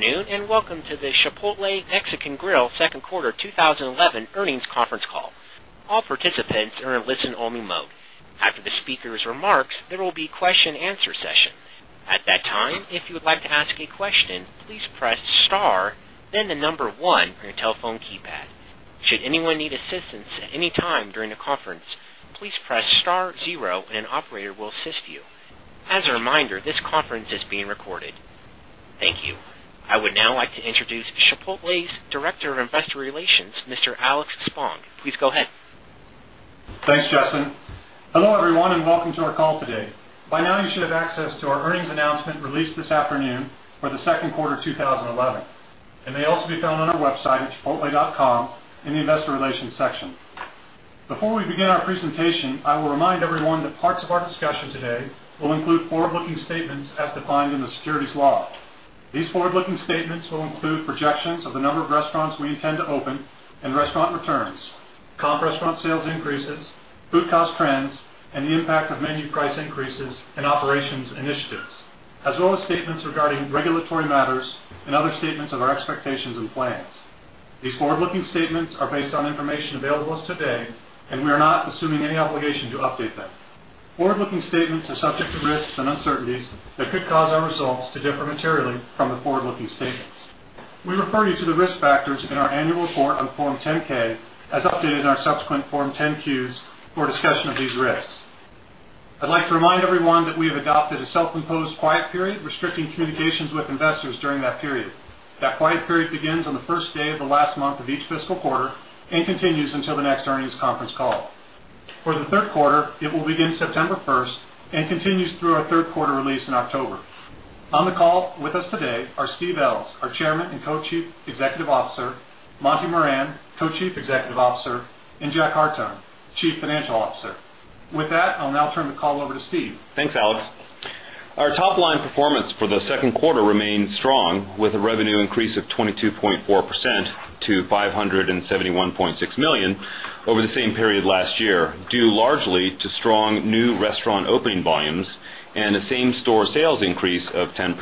Good afternoon and welcome to the Chipotle Mexican Grill Second Quarter 2011 Earnings Conference call. All participants are in listen-only mode. After the speaker's remarks, there will be a question-and-answer session. At that time, if you would like to ask a question, please press star, then the number one on your telephone keypad. Should anyone need assistance at any time during the conference, please press star zero and an operator will assist you. As a reminder, this conference is being recorded. Thank you. I would now like to introduce Chipotle's Director of Investor Relations, Mr. Alex Spong. Please go ahead. Thanks, Justin. Hello everyone and welcome to our call today. By now, you should have access to our earnings announcement released this afternoon for the second quarter, 2011. It may also be found on our website at chipotle.com in the Investor Relations section. Before we begin our presentation, I will remind everyone that parts of our discussion today will include forward-looking statements as defined in the securities law. These forward-looking statements will include projections of the number of restaurants we intend to open and restaurant returns, comp restaurant sales increases, food cost trends, and the impact of menu price increases and operations initiatives, as well as statements regarding regulatory matters and other statements of our expectations and plans. These forward-looking statements are based on information available to us today, and we are not assuming any obligation to update them. Forward-looking statements are subject to risks and uncertainties that could cause our results to differ materially from the forward-looking statements. We refer you to the risk factors in our annual report on Form 10-K, as updated in our subsequent Form 10-Qs for discussion of these risks. I'd like to remind everyone that we have adopted a self-imposed quiet period, restricting communications with investors during that period. That quiet period begins on the first day of the last month of each fiscal quarter and continues until the next earnings conference call. For the third quarter, it will begin September 1 and continues through our third quarter release in October. On the call with us today are Steve Ells, our Chairman and Co-Chief Executive Officer, Monty Moran, Co-Chief Executive Officer, and Jack Hartung, Chief Financial Officer. With that, I'll now turn the call over to Steve. Thanks, Alex. Our top-line performance for the second quarter remains strong, with a revenue increase of 22.4% to $571.6 million over the same period last year, due largely to strong new restaurant opening volumes and a same-store sales increase of 10%.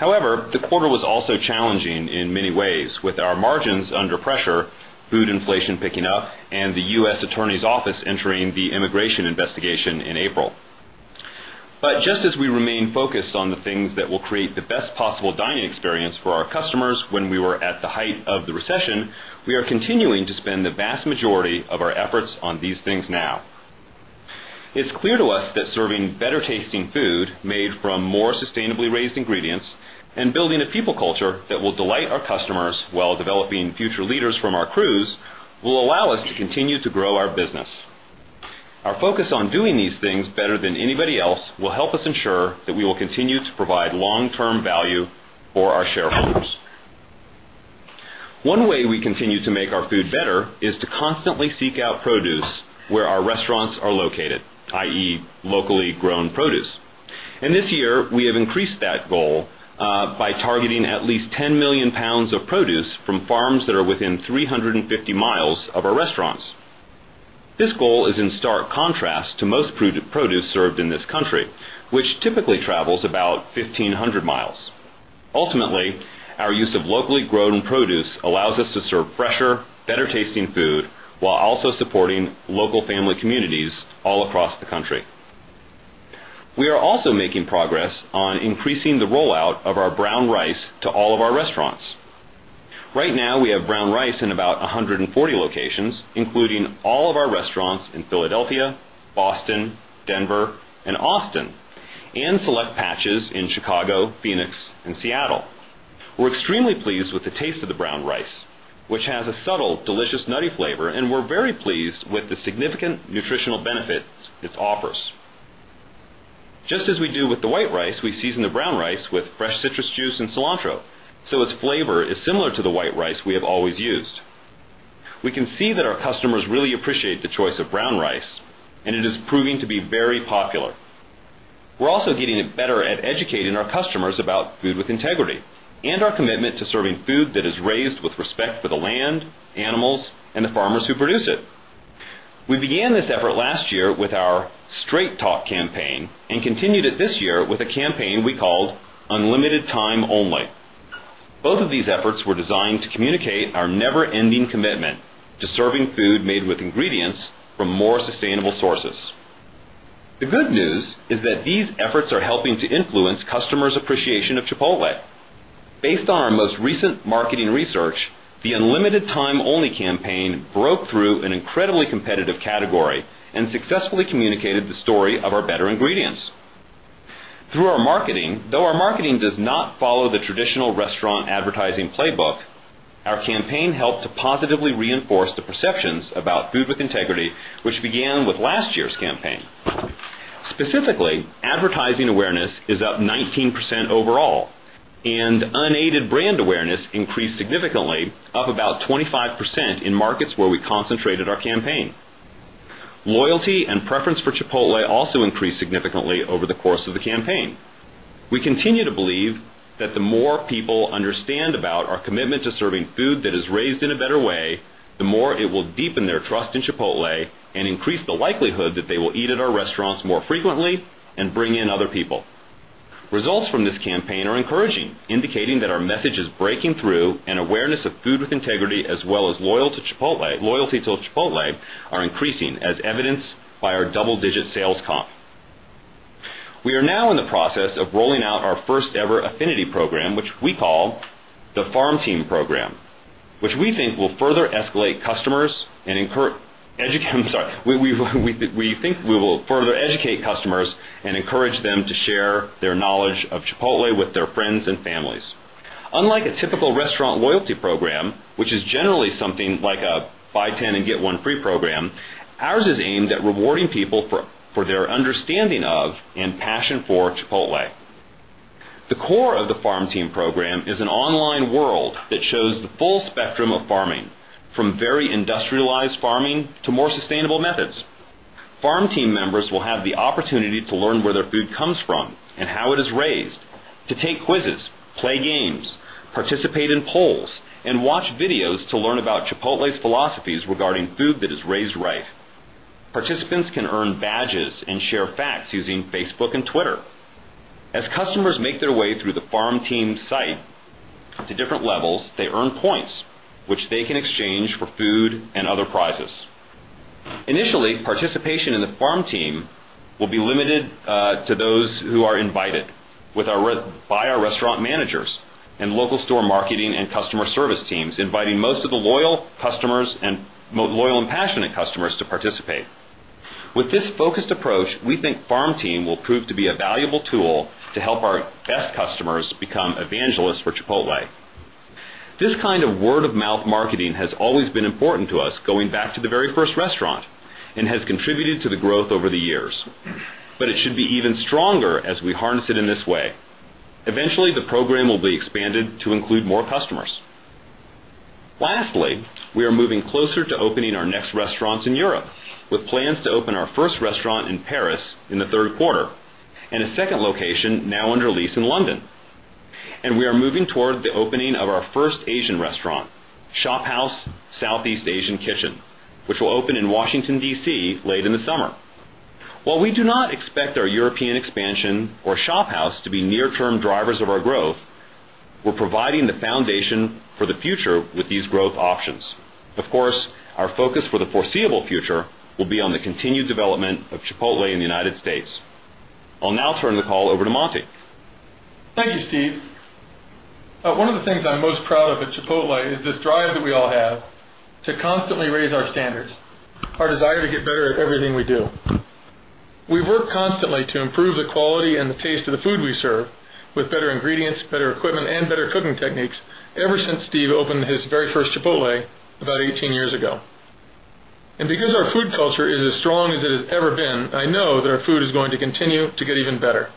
However, the quarter was also challenging in many ways, with our margins under pressure, food inflation picking up, and the U.S. Attorney's Office entering the immigration investigation in April. Just as we remain focused on the things that will create the best possible dining experience for our customers when we were at the height of the recession, we are continuing to spend the vast majority of our efforts on these things now. It's clear to us that serving better-tasting food made from more sustainably raised ingredients and building a people culture that will delight our customers while developing future leaders from our crews will allow us to continue to grow our business. Our focus on doing these things better than anybody else will help us ensure that we will continue to provide long-term value for our shareholders. One way we continue to make our food better is to constantly seek out produce where our restaurants are located, i.e., locally grown produce. This year, we have increased that goal by targeting at least 10 million lbs of produce from farms that are within 350 mi of our restaurants. This goal is in stark contrast to most produce served in this country, which typically travels about 1,500 mi. Ultimately, our use of locally grown produce allows us to serve fresher, better-tasting food while also supporting local family communities all across the country. We are also making progress on increasing the rollout of our brown rice to all of our restaurants. Right now, we have brown rice in about 140 locations, including all of our restaurants in Philadelphia, Boston, Denver, and Austin, and select patches in Chicago, Phoenix, and Seattle. We're extremely pleased with the taste of the brown rice, which has a subtle, delicious nutty flavor, and we're very pleased with the significant nutritional benefits it offers. Just as we do with the white rice, we season the brown rice with fresh citrus juice and cilantro, so its flavor is similar to the white rice we have always used. We can see that our customers really appreciate the choice of brown rice, and it is proving to be very popular. We're also getting better at educating our customers about food with integrity and our commitment to serving food that is raised with respect for the land, animals, and the farmers who produce it. We began this effort last year with our Straight Talk campaign and continued it this year with a campaign we called Unlimited Time Only. Both of these efforts were designed to communicate our never-ending commitment to serving food made with ingredients from more sustainable sources. The good news is that these efforts are helping to influence customers' appreciation of Chipotle. Based on our most recent marketing research, the Unlimited Time Only campaign broke through an incredibly competitive category and successfully communicated the story of our better ingredients. Though our marketing does not follow the traditional restaurant advertising playbook, our campaign helped to positively reinforce the perceptions about food with integrity, which began with last year's campaign. Specifically, advertising awareness is up 19% overall, and unaided brand awareness increased significantly, up about 25% in markets where we concentrated our campaign. Loyalty and preference for Chipotle also increased significantly over the course of the campaign. We continue to believe that the more people understand about our commitment to serving food that is raised in a better way, the more it will deepen their trust in Chipotle and increase the likelihood that they will eat at our restaurants more frequently and bring in other people. Results from this campaign are encouraging, indicating that our message is breaking through, and awareness of food with integrity, as well as loyalty to Chipotle, are increasing, as evidenced by our double-digit sales comp. We are now in the process of rolling out our first-ever affinity program, which we call the Farm Team Program, which we think will further educate customers and encourage them to share their knowledge of Chipotle with their friends and families. Unlike a typical restaurant loyalty program, which is generally something like a Buy 10 and Get 1 Free Program, ours is aimed at rewarding people for their understanding of and passion for Chipotle. The core of the Farm Team Program is an online world that shows the full spectrum of farming, from very industrialized farming to more sustainable methods. Farm Team members will have the opportunity to learn where their food comes from and how it is raised, to take quizzes, play games, participate in polls, and watch videos to learn about Chipotle's philosophies regarding food that is raised right. Participants can earn badges and share facts using Facebook and Twitter. As customers make their way through The Farm Team site to different levels, they earn points, which they can exchange for food and other prizes. Initially, participation in The Farm Team will be limited to those who are invited by our restaurant managers and local store marketing and customer service teams, inviting most of the loyal customers and loyal and passionate customers to participate. With this focused approach, we think Farm Team will prove to be a valuable tool to help our best customers become evangelists for Chipotle. This kind of word-of-mouth marketing has always been important to us, going back to the very first restaurant, and has contributed to the growth over the years. It should be even stronger as we harness it in this way. Eventually, the program will be expanded to include more customers. Lastly, we are moving closer to opening our next restaurants in Europe, with plans to open our first restaurant in Paris in the third quarter and a second location now under lease in London. We are moving toward the opening of our first Asian restaurant, Shophouse Southeast Asian Kitchen, which will open in Washington, DC, late in the summer. While we do not expect our European expansion or Shophouse to be near-term drivers of our growth, we're providing the foundation for the future with these growth options. Of course, our focus for the foreseeable future will be on the continued development of Chipotle in the United States. I'll now turn the call over to Monty. Thank you, Steve. One of the things I'm most proud of at Chipotle is this drive that we all have to constantly raise our standards, our desire to get better at everything we do. We've worked constantly to improve the quality and the taste of the food we serve with better ingredients, better equipment, and better cooking techniques ever since Steve opened his very first Chipotle about 18 years ago. Because our food culture is as strong as it has ever been, I know that our food is going to continue to get even better.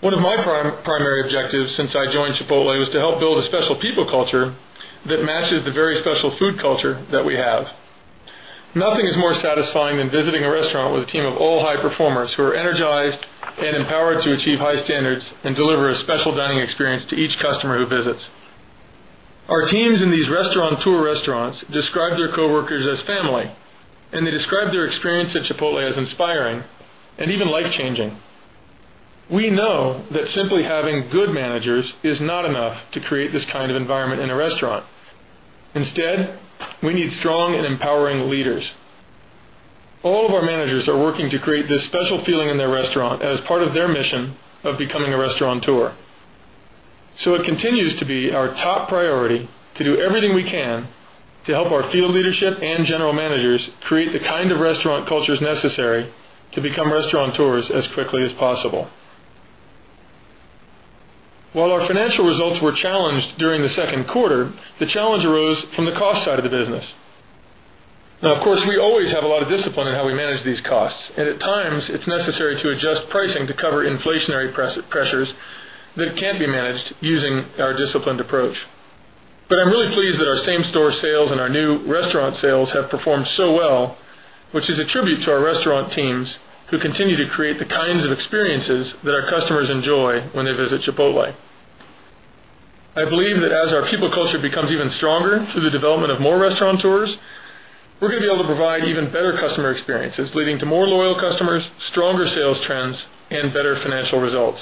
One of my primary objectives since I joined Chipotle was to help build a special people culture that matches the very special food culture that we have. Nothing is more satisfying than visiting a restaurant with a team of all high performers who are energized and empowered to achieve high standards and deliver a special dining experience to each customer who visits. Our teams in these restaurateur restaurants describe their coworkers as family, and they describe their experience at Chipotle as inspiring and even life-changing. We know that simply having good managers is not enough to create this kind of environment in a restaurant. Instead, we need strong and empowering leaders. All of our managers are working to create this special feeling in their restaurant as part of their mission of becoming a restaurateur. It continues to be our top priority to do everything we can to help our field leadership and General Managers create the kind of restaurant culture necessary to become Restaurateurs as quickly as possible. While our financial results were challenged during the second quarter, the challenge arose from the cost side of the business. Of course, we always have a lot of discipline in how we manage these costs, and at times, it's necessary to adjust pricing to cover inflationary pressures that can't be managed using our disciplined approach. I'm really pleased that our same-store sales and our new restaurant sales have performed so well, which is a tribute to our restaurant teams who continue to create the kinds of experiences that our customers enjoy when they visit Chipotle. I believe that as our people culture becomes even stronger through the development of more Restaurateurs, we're going to be able to provide even better customer experiences, leading to more loyal customers, stronger sales trends, and better financial results.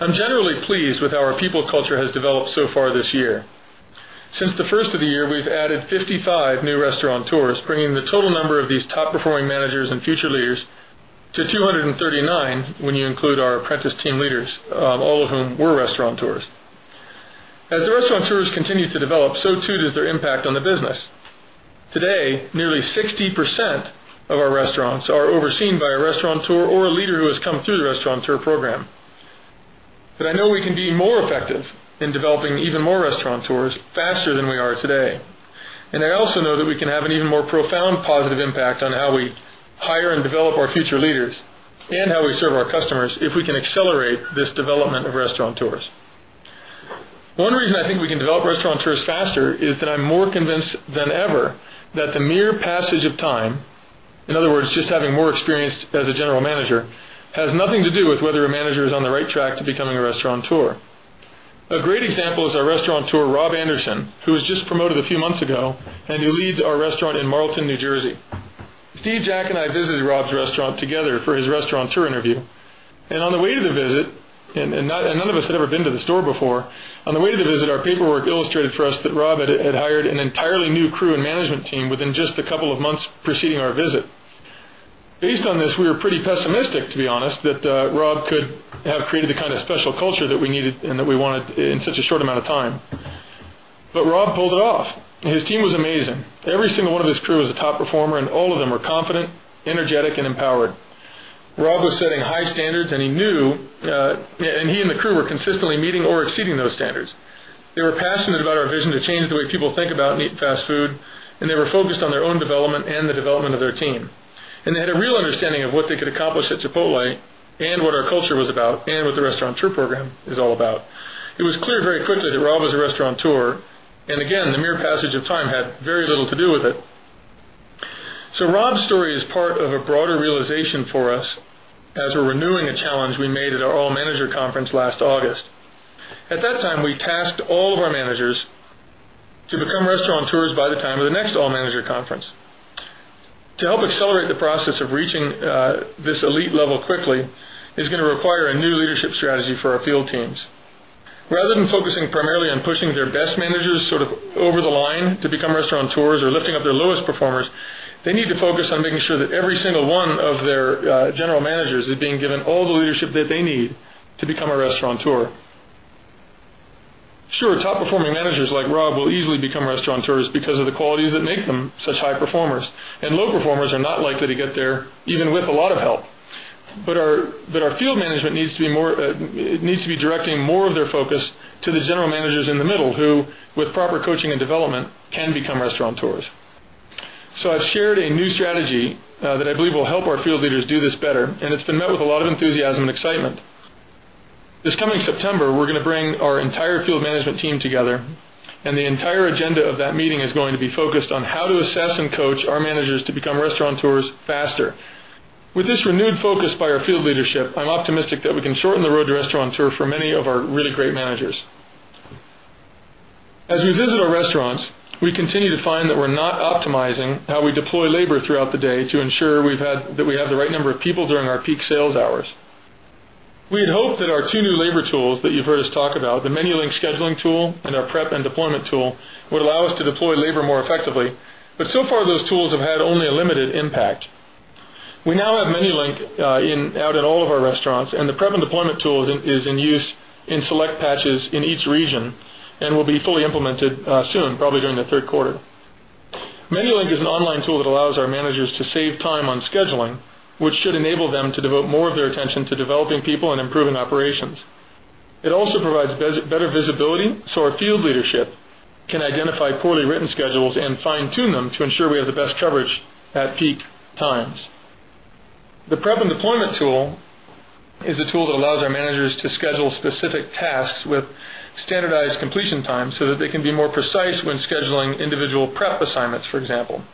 I'm generally pleased with how our people culture has developed so far this year. Since the first of the year, we've added 55 new Restaurateurs, bringing the total number of these top-performing managers and future leaders to 239 when you include our apprentice team leaders, all of whom were Restaurateurs. As the Restaurateurs continue to develop, so too does their impact on the business. Today, nearly 60% of our restaurants are overseen by a restaurateur or a leader who has come through the restaurateur program. I know we can be more effective in developing even more Restaurateurs faster than we are today. I also know that we can have an even more profound positive impact on how we hire and develop our future leaders and how we serve our customers if we can accelerate this development of Restaurateurs. One reason I think we can develop Restaurateurs faster is that I'm more convinced than ever that the mere passage of time, in other words, just having more experience as a General Manager, has nothing to do with whether a manager is on the right track to becoming a restaurateur. A great example is our restaurateur, Rob Anderson, who was just promoted a few months ago and who leads our restaurant in Marlton, New Jersey. Steve, Jack, and I visited Rob's restaurant together for his restaurateur interview. On the way to the visit, and none of us had ever been to the store before, on the way to the visit, our paperwork illustrated for us that Rob had hired an entirely new crew and management team within just a couple of months preceding our visit. Based on this, we were pretty pessimistic, to be honest, that Rob could have created the kind of special culture that we needed and that we wanted in such a short amount of time. Rob pulled it off. His team was amazing. Every single one of his crew was a top performer, and all of them were confident, energetic, and empowered. Rob was setting high standards, and he knew, and he and the crew were consistently meeting or exceeding those standards. They were passionate about our vision to change the way people think about neat fast food, and they were focused on their own development and the development of their team. They had a real understanding of what they could accomplish at Chipotle and what our culture was about and what the restaurateur program is all about. It was clear very quickly that Rob was a restaurateur, and again, the mere passage of time had very little to do with it. Rob's story is part of a broader realization for us as we're renewing a challenge we made at our All Manager Conference last August. At that time, we tasked all of our managers to become Restaurateurs by the time of the next All Manager Conference. To help accelerate the process of reaching this elite level quickly is going to require a new leadership strategy for our field teams. Rather than focusing primarily on pushing their best managers sort of over the line to become Restaurateurs or lifting up their lowest performers, they need to focus on making sure that every single one of their General Managers is being given all the leadership that they need to become a restaurateur. Top-performing managers like Rob will easily become Restaurateurs because of the qualities that make them such high performers. Low performers are not likely to get there even with a lot of help. Our field management needs to be directing more of their focus to the General Managers in the middle who, with proper coaching and development, can become Restaurateurs. I've shared a new strategy that I believe will help our field leaders do this better, and it's been met with a lot of enthusiasm and excitement. This coming September, we're going to bring our entire field management team together, and the entire agenda of that meeting is going to be focused on how to assess and coach our managers to become Restaurateurs faster. With this renewed focus by our field leadership, I'm optimistic that we can shorten the road to restaurateur for many of our really great managers. As we visit our restaurants, we continue to find that we're not optimizing how we deploy labor throughout the day to ensure that we have the right number of people during our peak sales hours. We'd hope that our two new labor tools that you've heard us talk about, the Menulink Scheduling Tool and our Prep and Deployment Tool, would allow us to deploy labor more effectively. So far, those tools have had only a limited impact. We now have Menulink out in all of our restaurants, and the Prep and Deployment Tool is in use in select patches in each region and will be fully implemented soon, probably during the third quarter. Menulink is an online tool that allows our managers to save time on scheduling, which should enable them to devote more of their attention to developing people and improving operations. It also provides better visibility so our field leadership can identify poorly written schedules and fine-tune them to ensure we have the best coverage at peak times. The Prep and Deployment Tool is a tool that allows our managers to schedule specific tasks with standardized completion times so that they can be more precise when scheduling individual prep assignments, for example.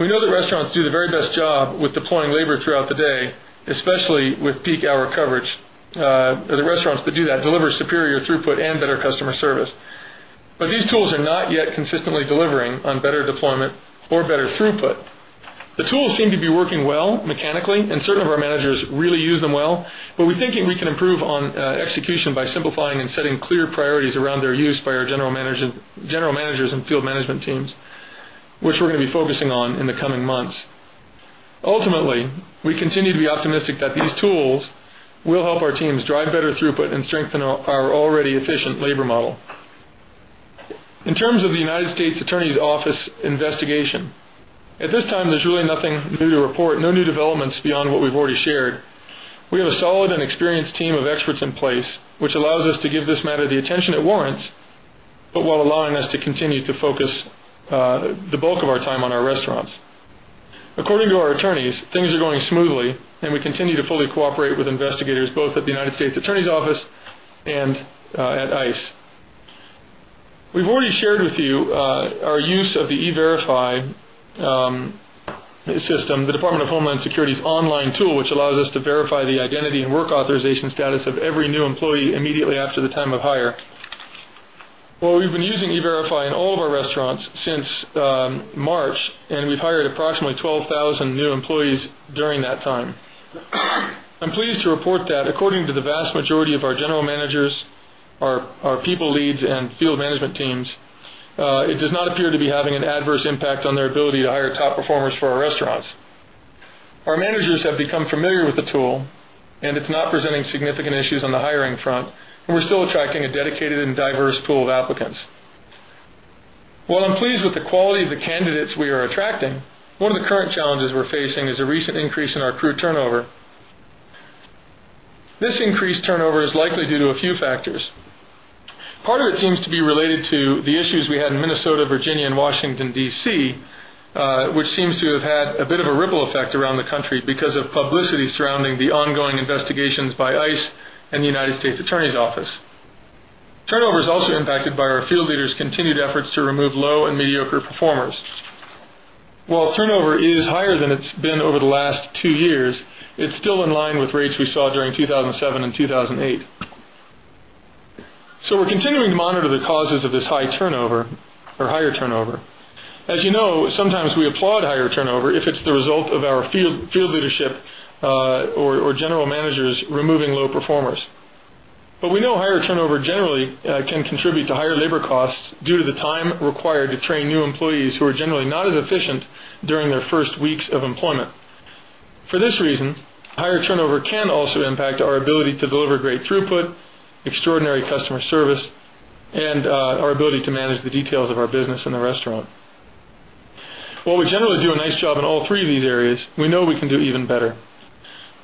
We know that restaurants do the very best job with deploying labor throughout the day, especially with peak hour coverage. The restaurants that do that deliver superior throughput and better customer service. These tools are not yet consistently delivering on better deployment or better throughput. The tools seem to be working well mechanically, and certainly our managers really use them well. We are thinking we can improve on execution by simplifying and setting clear priorities around their use by our General Managers and field management teams, which we are going to be focusing on in the coming months. Ultimately, we continue to be optimistic that these tools will help our teams drive better throughput and strengthen our already efficient labor model. In terms of the U.S. Attorney’s Office investigation, at this time, there is really nothing new to report, no new developments beyond what we have already shared. We have a solid and experienced team of experts in place, which allows us to give this matter the attention it warrants, while allowing us to continue to focus the bulk of our time on our restaurants. According to our attorneys, things are going smoothly, and we continue to fully cooperate with investigators both at the U.S. Attorney’s Office and at ICE. We have already shared with you our use of the E-Verify system, the Department of Homeland Security’s online tool, which allows us to verify the identity and work authorization status of every new employee immediately after the time of hire. We have been using E-Verify in all of our restaurants since March, and we have hired approximately 12,000 new employees during that time. I am pleased to report that according to the vast majority of our General Managers, our people leads, and field management teams, it does not appear to be having an adverse impact on their ability to hire top performers for our restaurants. Our managers have become familiar with the tool, and it is not presenting significant issues on the hiring front, and we are still attracting a dedicated and diverse pool of applicants. While I'm pleased with the quality of the candidates we are attracting, one of the current challenges we're facing is a recent increase in our crew turnover. This increased turnover is likely due to a few factors. Part of it seems to be related to the issues we had in Minnesota, Virginia, and Washington, DC, which seems to have had a bit of a ripple effect around the country because of publicity surrounding the ongoing investigations by ICE and the U.S. Attorney’s Office. Turnover is also impacted by our field leaders' continued efforts to remove low and mediocre performers. While turnover is higher than it's been over the last two years, it's still in line with rates we saw during 2007 and 2008. We are continuing to monitor the causes of this high turnover or higher turnover. As you know, sometimes we applaud higher turnover if it's the result of our field leadership or General Managers removing low performers. We know higher turnover generally can contribute to higher labor costs due to the time required to train new employees who are generally not as efficient during their first weeks of employment. For this reason, higher turnover can also impact our ability to deliver great throughput, extraordinary customer service, and our ability to manage the details of our business in the restaurant. While we generally do a nice job in all three of these areas, we know we can do even better.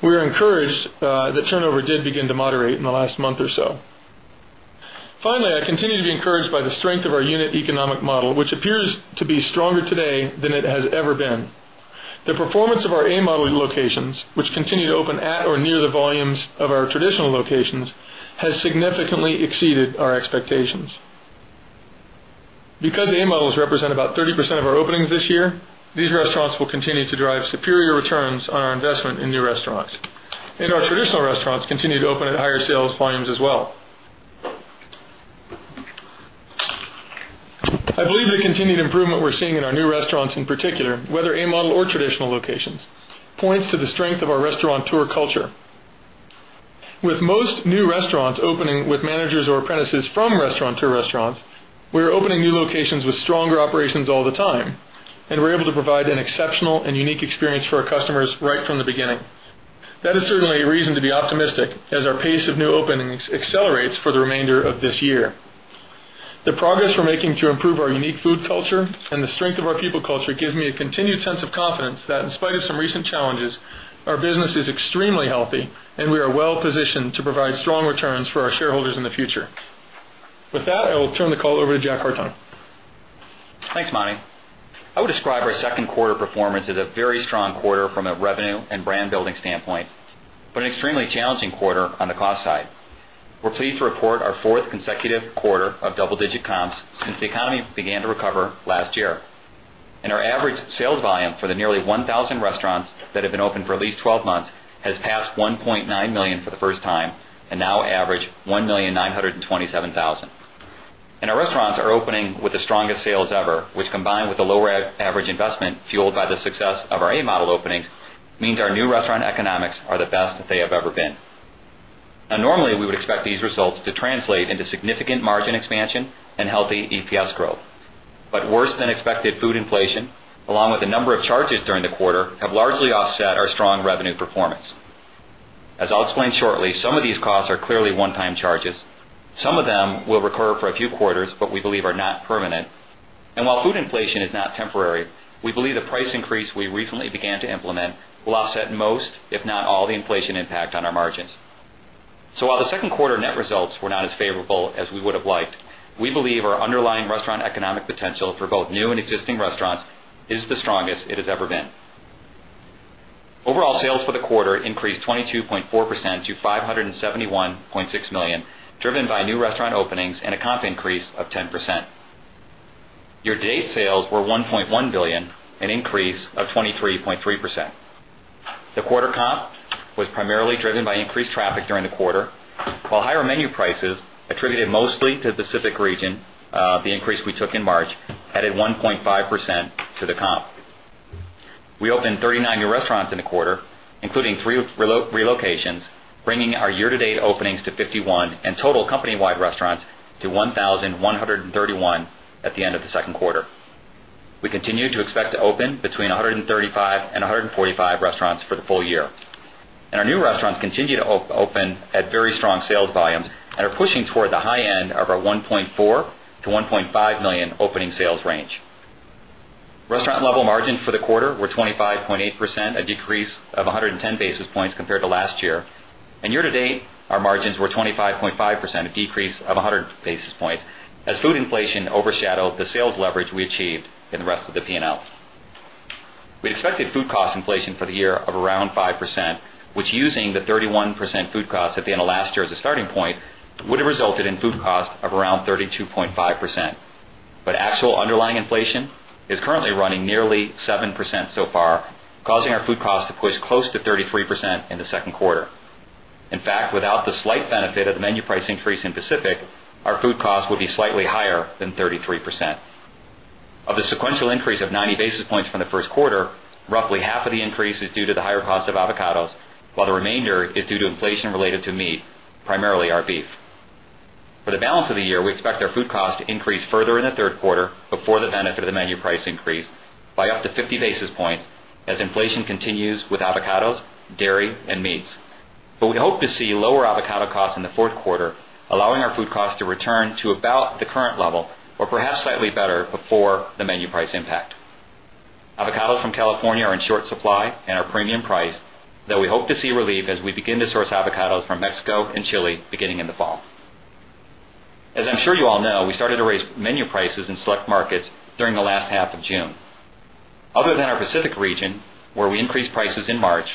We are encouraged that turnover did begin to moderate in the last month or so. Finally, I continue to be encouraged by the strength of our unit economic model, which appears to be stronger today than it has ever been. The performance of our A-modelling locations, which continue to open at or near the volumes of our traditional locations, has significantly exceeded our expectations. Because the A-models represent about 30% of our openings this year, these restaurants will continue to drive superior returns on our investment in new restaurants. Our traditional restaurants continue to open at higher sales volumes as well. I believe the continued improvement we're seeing in our new restaurants, in particular, whether A-model or traditional locations, points to the strength of our restaurateur culture. With most new restaurants opening with managers or apprentices from restaurateur restaurants, we're opening new locations with stronger operations all the time, and we're able to provide an exceptional and unique experience for our customers right from the beginning. That is certainly a reason to be optimistic as our pace of new openings accelerates for the remainder of this year. The progress we're making to improve our unique food culture and the strength of our people culture gives me a continued sense of confidence that, in spite of some recent challenges, our business is extremely healthy and we are well positioned to provide strong returns for our shareholders in the future. With that, I will turn the call over to Jack Hartung. Thanks, Monty. I would describe our second quarter performance as a very strong quarter from a revenue and brand-building standpoint, but an extremely challenging quarter on the cost side. We're pleased to report our fourth consecutive quarter of double-digit comps since the economy began to recover last year. Our average sales volume for the nearly 1,000 restaurants that have been open for at least 12 months has passed $1.9 million for the first time and now averaged $1,927,000. Our restaurants are opening with the strongest sales ever, which, combined with the lower average investment fueled by the success of our A-model openings, means our new restaurant economics are the best that they have ever been. Normally, we would expect these results to translate into significant margin expansion and healthy EPS growth. However, worse-than-expected food inflation, along with a number of charges during the quarter, have largely offset our strong revenue performance. As I'll explain shortly, some of these costs are clearly one-time charges. Some of them will recur for a few quarters, but we believe are not permanent. While food inflation is not temporary, we believe the price increase we recently began to implement will offset most, if not all, the inflation impact on our margins. While the second quarter net results were not as favorable as we would have liked, we believe our underlying restaurant economic potential for both new and existing restaurants is the strongest it has ever been. Overall sales for the quarter increased 22.4% to $571.6 million, driven by new restaurant openings and a comp increase of 10%. Year-to-date sales were $1.1 billion, an increase of 23.3%. The quarter comp was primarily driven by increased traffic during the quarter, while higher menu prices, attributed mostly to the Pacific region, the increase we took in March, added 1.5% to the comp. We opened 39 new restaurants in the quarter, including three relocations, bringing our year-to-date openings to 51 and total company-wide restaurants to 1,131 at the end of the second quarter. We continue to expect to open between 135 and 145 restaurants for the full year. Our new restaurants continue to open at very strong sales volumes and are pushing toward the high end of our $1.4 million-$1.5 million opening sales range. Restaurant level margins for the quarter were 25.8%, a decrease of 110 basis points compared to last year. Year to date, our margins were 25.5%, a decrease of 100 basis points, as food inflation overshadowed the sales leverage we achieved in the rest of the P&L. We expected food cost inflation for the year of around 5%, which, using the 31% food cost at the end of last year as a starting point, would have resulted in food cost of around 32.5%. Actual underlying inflation is currently running nearly 7% so far, causing our food cost to push close to 33% in the second quarter. In fact, without the slight benefit of the menu price increase in Pacific, our food cost would be slightly higher than 33%. Of the sequential increase of 90 basis points from the first quarter, roughly half of the increase is due to the higher cost of avocados, while the remainder is due to inflation related to meat, primarily our beef. For the balance of the year, we expect our food cost to increase further in the third quarter before the benefit of the menu price increase by up to 50 basis points as inflation continues with avocados, dairy, and meats. We hope to see lower avocado costs in the fourth quarter, allowing our food cost to return to about the current level or perhaps slightly better before the menu price impact. Avocados from California are in short supply and are premium priced, though we hope to see relief as we begin to source avocados from Mexico and Chile beginning in the fall. As you all know, we started to raise menu prices in select markets during the last half of June. Other than our Pacific region, where we increased prices in March,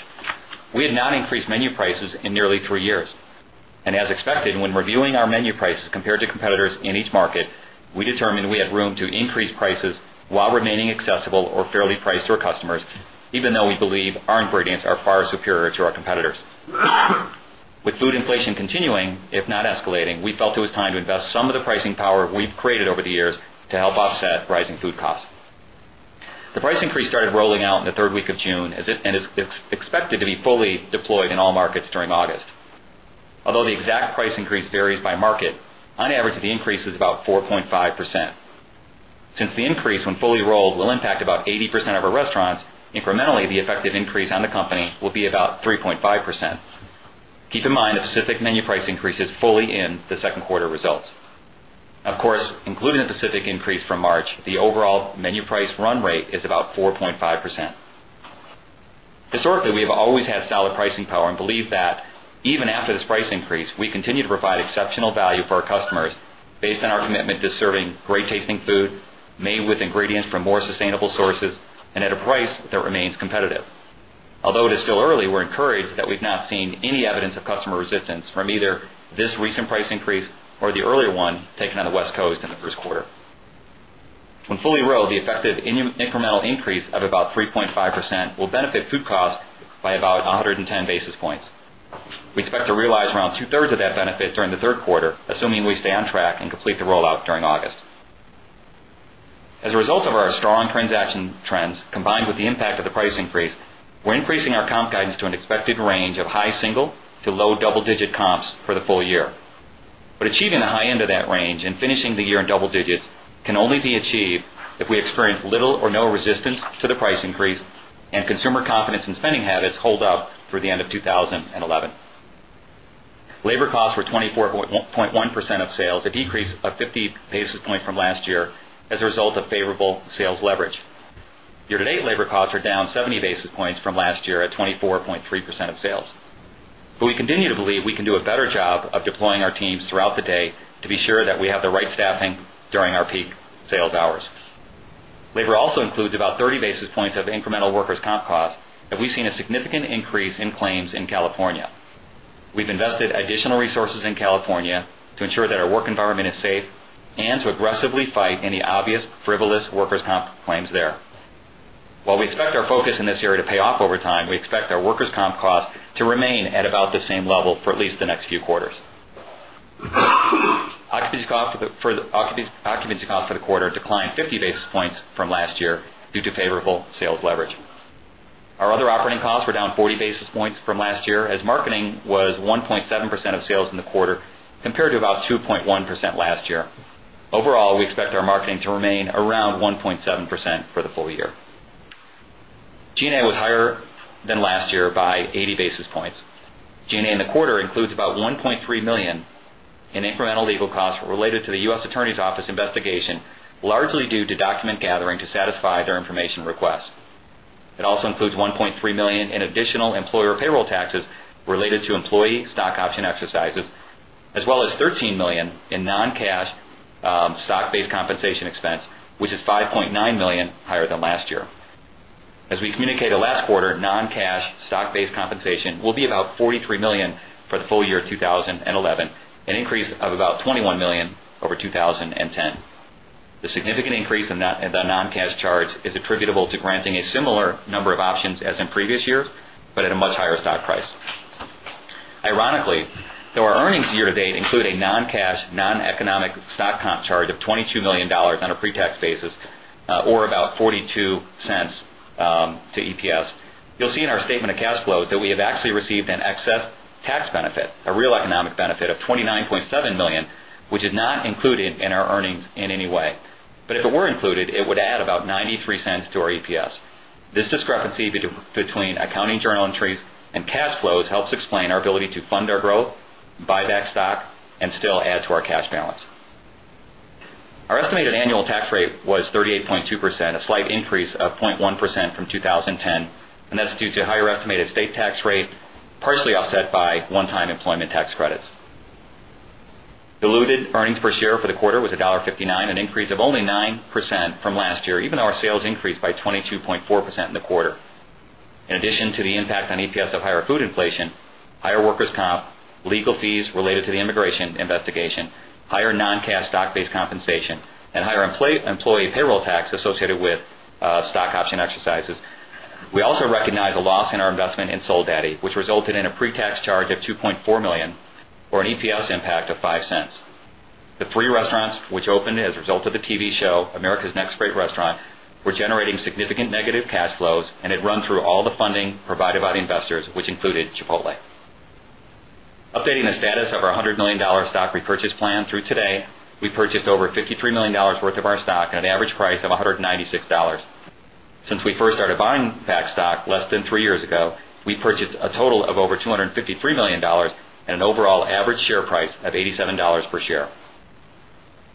we had not increased menu prices in nearly three years. As expected, when reviewing our menu prices compared to competitors in each market, we determined we had room to increase prices while remaining accessible or fairly priced to our customers, even though we believe our ingredients are far superior to our competitors. With food inflation continuing, if not escalating, we felt it was time to invest some of the pricing power we've created over the years to help offset rising food costs. The price increase started rolling out in the third week of June and is expected to be fully deployed in all markets during August. Although the exact price increase varies by market, on average, the increase is about 4.5%. Since the increase when fully rolled will impact about 80% of our restaurants, incrementally, the effective increase on the company will be about 3.5%. Keep in mind, a specific menu price increase is fully in the second quarter results. Of course, including the Pacific increase from March, the overall menu price run rate is about 4.5%. Historically, we have always had solid pricing power and believe that even after this price increase, we continue to provide exceptional value for our customers based on our commitment to serving great tasting food made with ingredients from more sustainable sources and at a price that remains competitive. Although it is still early, we're encouraged that we've not seen any evidence of customer resistance from either this recent price increase or the earlier one taken on the West Coast in the first quarter. When fully rolled, the effective incremental increase of about 3.5% will benefit food costs by about 110 basis points. We expect to realize around 2/3 of that benefit during the third quarter, assuming we stay on track and complete the rollout during August. As a result of our strong transaction trends, combined with the impact of the price increase, we're increasing our comp guidance to an expected range of high single to low double-digit comps for the full year. Achieving the high end of that range and finishing the year in double digits can only be achieved if we experience little or no resistance to the price increase and consumer confidence and spending habits hold up through the end of 2011. Labor costs were 24.1% of sales, a decrease of 50 basis points from last year as a result of favorable sales leverage. Year-to-date labor costs are down 70 basis points from last year at 24.3% of sales. We continue to believe we can do a better job of deploying our teams throughout the day to be sure that we have the right staffing during our peak sales hours. Labor also includes about 30 basis points of incremental workers' comp costs, and we've seen a significant increase in claims in California. We've invested additional resources in California to ensure that our work environment is safe and to aggressively fight any obvious frivolous workers' comp claims there. While we expect our focus in this area to pay off over time, we expect our workers' comp costs to remain at about the same level for at least the next few quarters. Occupancy costs for the quarter declined 50 basis points from last year due to favorable sales leverage. Our other operating costs were down 40 basis points from last year, as marketing was 1.7% of sales in the quarter compared to about 2.1% last year. Overall, we expect our marketing to remain around 1.7% for the full year. G&A was higher than last year by 80 basis points. G&A in the quarter includes about $1.3 million in incremental legal costs related to the U.S. Attorney’s Office investigation, largely due to document gathering to satisfy their information request. It also includes $1.3 million in additional employer payroll taxes related to employee stock option exercises, as well as $13 million in non-cash stock-based compensation expense, which is $5.9 million higher than last year. As we communicated last quarter, non-cash stock-based compensation will be about $43 million for the full year of 2011, an increase of about $21 million over 2010. The significant increase in the non-cash charge is attributable to granting a similar number of options as in previous years, but at a much higher stock price. Ironically, though our earnings year to date include a non-cash, non-economic stock comp charge of $22 million on a pre-tax basis or about $0.42 to EPS, you’ll see in our statement of cash flow that we have actually received an excess tax benefit, a real economic benefit of $29.7 million, which is not included in our earnings in any way. If it were included, it would add about $0.93 to our EPS. This discrepancy between accounting journal entries and cash flows helps explain our ability to fund our growth, buy back stock, and still add to our cash balance. Our estimated annual tax rate was 38.2%, a slight increase of 0.1% from 2010, and that’s due to a higher estimated state tax rate, partially offset by one-time employment tax credits. Diluted earnings per share for the quarter was $1.59, an increase of only 9% from last year, even though our sales increased by 22.4% in the quarter. In addition to the impact on EPS of higher food inflation, higher workers’ comp, legal fees related to the immigration investigation, higher non-cash stock-based compensation, and higher employee payroll tax associated with stock option exercises, we also recognize a loss in our investment in Soul Daddy, which resulted in a pre-tax charge of $2.4 million or an EPS impact of $0.05. The three restaurants which opened as a result of the TV show America's Next Great Restaurant were generating significant negative cash flows, and it ran through all the funding provided by the investors, which included Chipotle. Updating the status of our $100 million stock repurchase plan through today, we purchased over $53 million worth of our stock at an average price of $196. Since we first started buying back stock less than three years ago, we purchased a total of over $253 million at an overall average share price of $87 per share.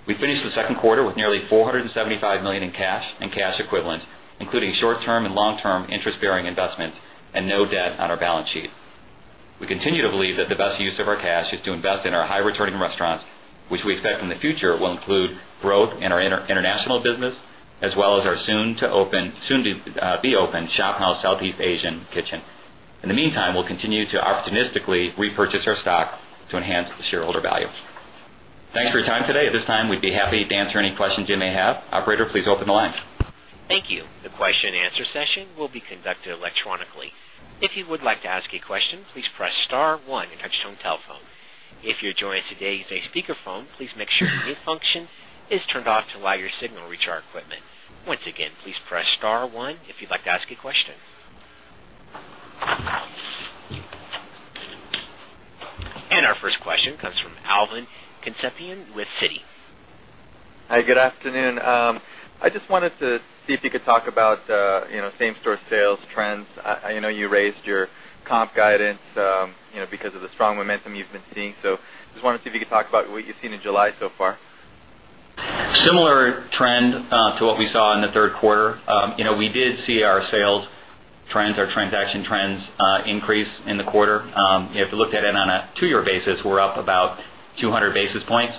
We finished the second quarter with nearly $475 million in cash and cash equivalents, including short-term and long-term interest-bearing investments and no debt on our balance sheet. We continue to believe that the best use of our cash is to invest in our high-returning restaurants, which we expect in the future will include growth in our international business, as well as our soon-to-be-open Shophouse Southeast Asian Kitchen. In the meantime, we'll continue to opportunistically repurchase our stock to enhance the shareholder value. Thanks for your time today. At this time, we'd be happy to answer any questions you may have. Operator, please open the lines. Thank you. The question and answer session will be conducted electronically. If you would like to ask a question, please press star one on your touch tone telephone. If you're joining us today using speakerphone, please make sure the mute function is turned off to allow your signal to reach our equipment. Once again, please press star one if you'd like to ask a question. Our first question comes from Alvin Concepcion with Citi. Hi, good afternoon. I just wanted to see if you could talk about, you know, same-store sales trends. I know you raised your comp guidance, you know, because of the strong momentum you've been seeing. I just wanted to see if you could talk about what you've seen in July so far. Similar trend to what we saw in the third quarter. We did see our sales trends, our transaction trends increase in the quarter. If you looked at it on a two-year basis, we're up about 200 basis points,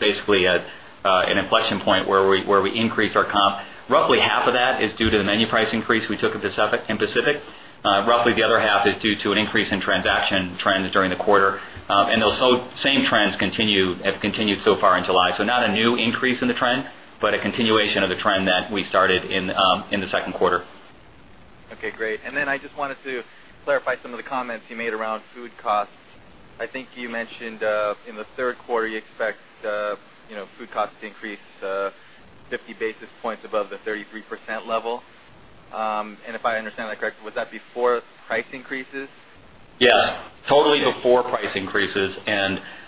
basically at an inflection point where we increased our comp. Roughly half of that is due to the menu price increase we took in Pacific. Roughly the other half is due to an increase in transaction trends during the quarter. Those same trends have continued so far in July. Not a new increase in the trend, but a continuation of the trend that we started in the second quarter. Okay, great. I just wanted to clarify some of the comments you made around food costs. I think you mentioned in the third quarter you expect, you know, food costs to increase 50 basis points above the 33% level. If I understand that correctly, would that before price increases? Yeah, totally before price increases.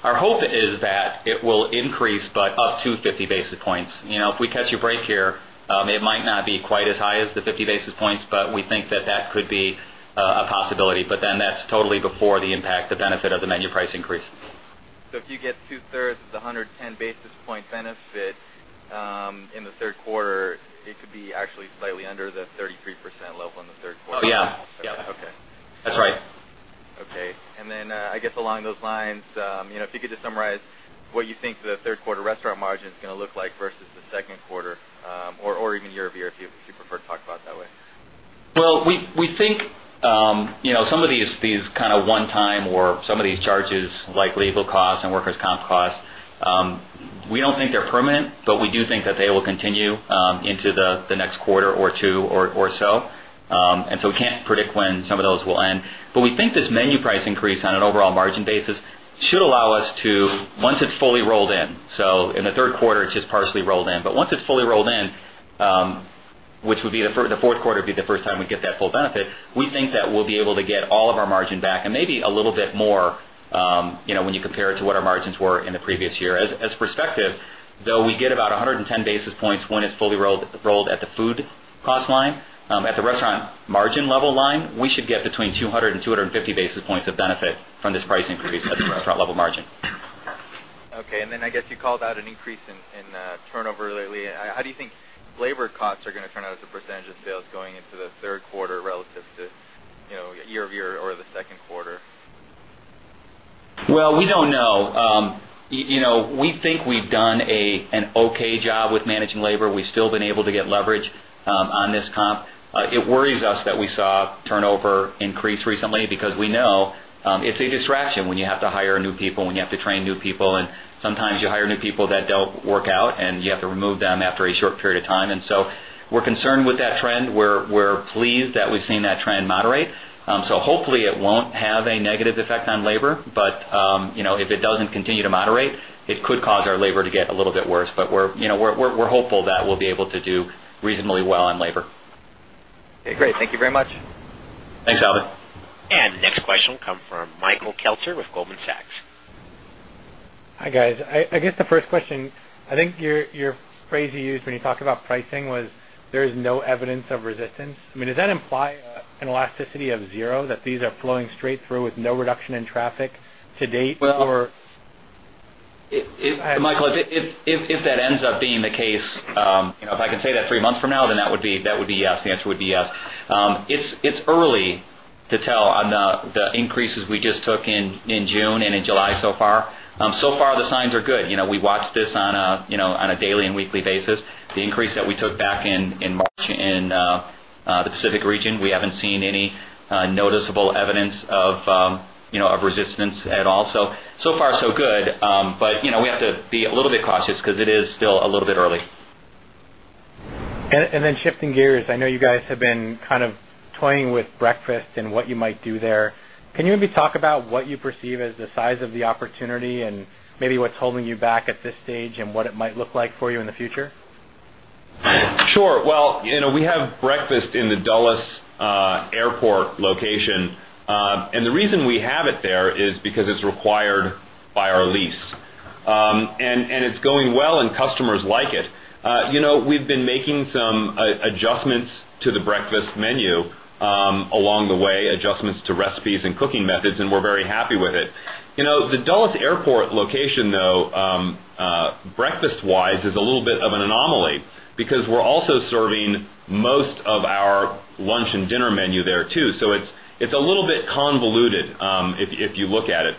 Our hope is that it will increase, but up to 50 basis points. You know, if we catch a break here, it might not be quite as high as the 50 basis points. We think that that could be a possibility. That's totally before the impact, the benefit of the menu price increase. If you get 2/3 of the 110 basis point benefit in the third quarter, it could be actually slightly under the 33% level in the third quarter. Oh, yeah. Okay. That's right. Okay. I guess along those lines, if you could just summarize what you think the third quarter restaurant margin is going to look like versus the second quarter or even year-over-year, if you prefer to talk about it that way. We think, you know, some of these kind of one-time or some of these charges like legal costs and workers' comp costs, we don't think they're permanent, but we do think that they will continue into the next quarter or two or so. We can't predict when some of those will end. We think this menu price increase on an overall margin basis should allow us to, once it's fully rolled in, so in the third quarter, it's just partially rolled in. Once it's fully rolled in, which would be the fourth quarter, would be the first time we get that full benefit. We think that we'll be able to get all of our margin back and maybe a little bit more, you know, when you compare it to what our margins were in the previous year. As perspective, though, we get about 110 basis points when it's fully rolled at the food cost line. At the restaurant margin level line, we should get between 200 and 250 basis points of benefit from this price increase at the restaurant level margin. Okay. I guess you called out an increase in turnover lately. How do you think labor costs are going to turn out as a percentage of sales going into the third quarter relative to, you know, year-over-year or the second quarter? We don't know. You know, we think we've done an okay job with managing labor. We've still been able to get leverage on this comp. It worries us that we saw turnover increase recently because we know it's a distraction when you have to hire new people, when you have to train new people. Sometimes you hire new people that don't work out, and you have to remove them after a short period of time. We're concerned with that trend. We're pleased that we've seen that trend moderate. Hopefully it won't have a negative effect on labor. If it doesn't continue to moderate, it could cause our labor to get a little bit worse. We're hopeful that we'll be able to do reasonably well on labor. Okay, great. Thank you very much. Thanks, Alvin. The next question will come from Michael Kelter with Goldman Sachs. Hi guys. I guess the first question, I think your phrase you used when you talk about pricing was there's no evidence of resistance. Does that imply an elasticity of 0, that these are flowing straight through with no reduction in traffic to date? If that ends up being the case, you know, if I could say that three months from now, then that would be yes. The answer would be yes. It's early to tell on the increases we just took in June and in July so far. So far, the signs are good. You know, we watch this on a daily and weekly basis. The increase that we took back in the Pacific region, we haven't seen any noticeable evidence of resistance at all. So far, so good. You know, we have to be a little bit cautious because it is still a little bit early. Shifting gears, I know you guys have been kind of toying with breakfast and what you might do there. Can you maybe talk about what you perceive as the size of the opportunity and maybe what's holding you back at this stage and what it might look like for you in the future? Sure. You know, we have breakfast in the Dulles Airport location. The reason we have it there is because it's required by our lease. It's going well, and customers like it. We've been making some adjustments to the breakfast menu along the way, adjustments to recipes and cooking methods, and we're very happy with it. The Dulles Airport location, though, breakfast-wise, is a little bit of an anomaly because we're also serving most of our lunch and dinner menu there too. It's a little bit convoluted if you look at it.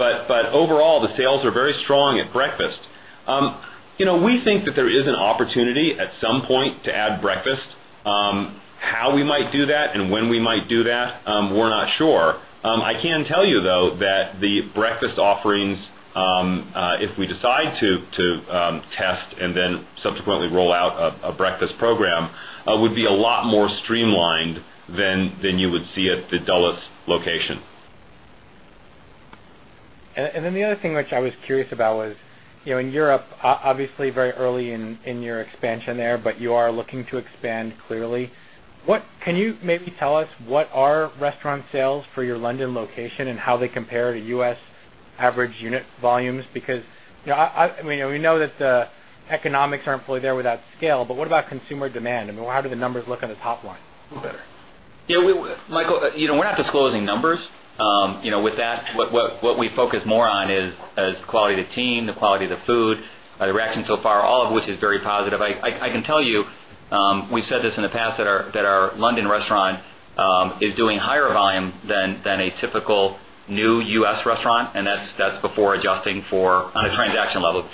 Overall, the sales are very strong at breakfast. We think that there is an opportunity at some point to add breakfast. How we might do that and when we might do that, we're not sure. I can tell you, though, that the breakfast offerings, if we decide to test and then subsequently roll out a breakfast program, would be a lot more streamlined than you would see at the Dulles location. The other thing which I was curious about was, you know, in Europe, obviously very early in your expansion there, but you are looking to expand clearly. Can you maybe tell us what are restaurant sales for your London location and how they compare to U.S. average unit volumes? Because, you know, we know that the economics aren't fully there without scale, but what about consumer demand? I mean, how do the numbers look on the top line? Yeah, Michael, you know, we're not disclosing numbers. What we focus more on is the quality of the team, the quality of the food, the reaction so far, all of which is very positive. I can tell you, we've said this in the past, that our London restaurant is doing higher volume than a typical new U.S. restaurant. That's before adjusting for, on a transaction level, the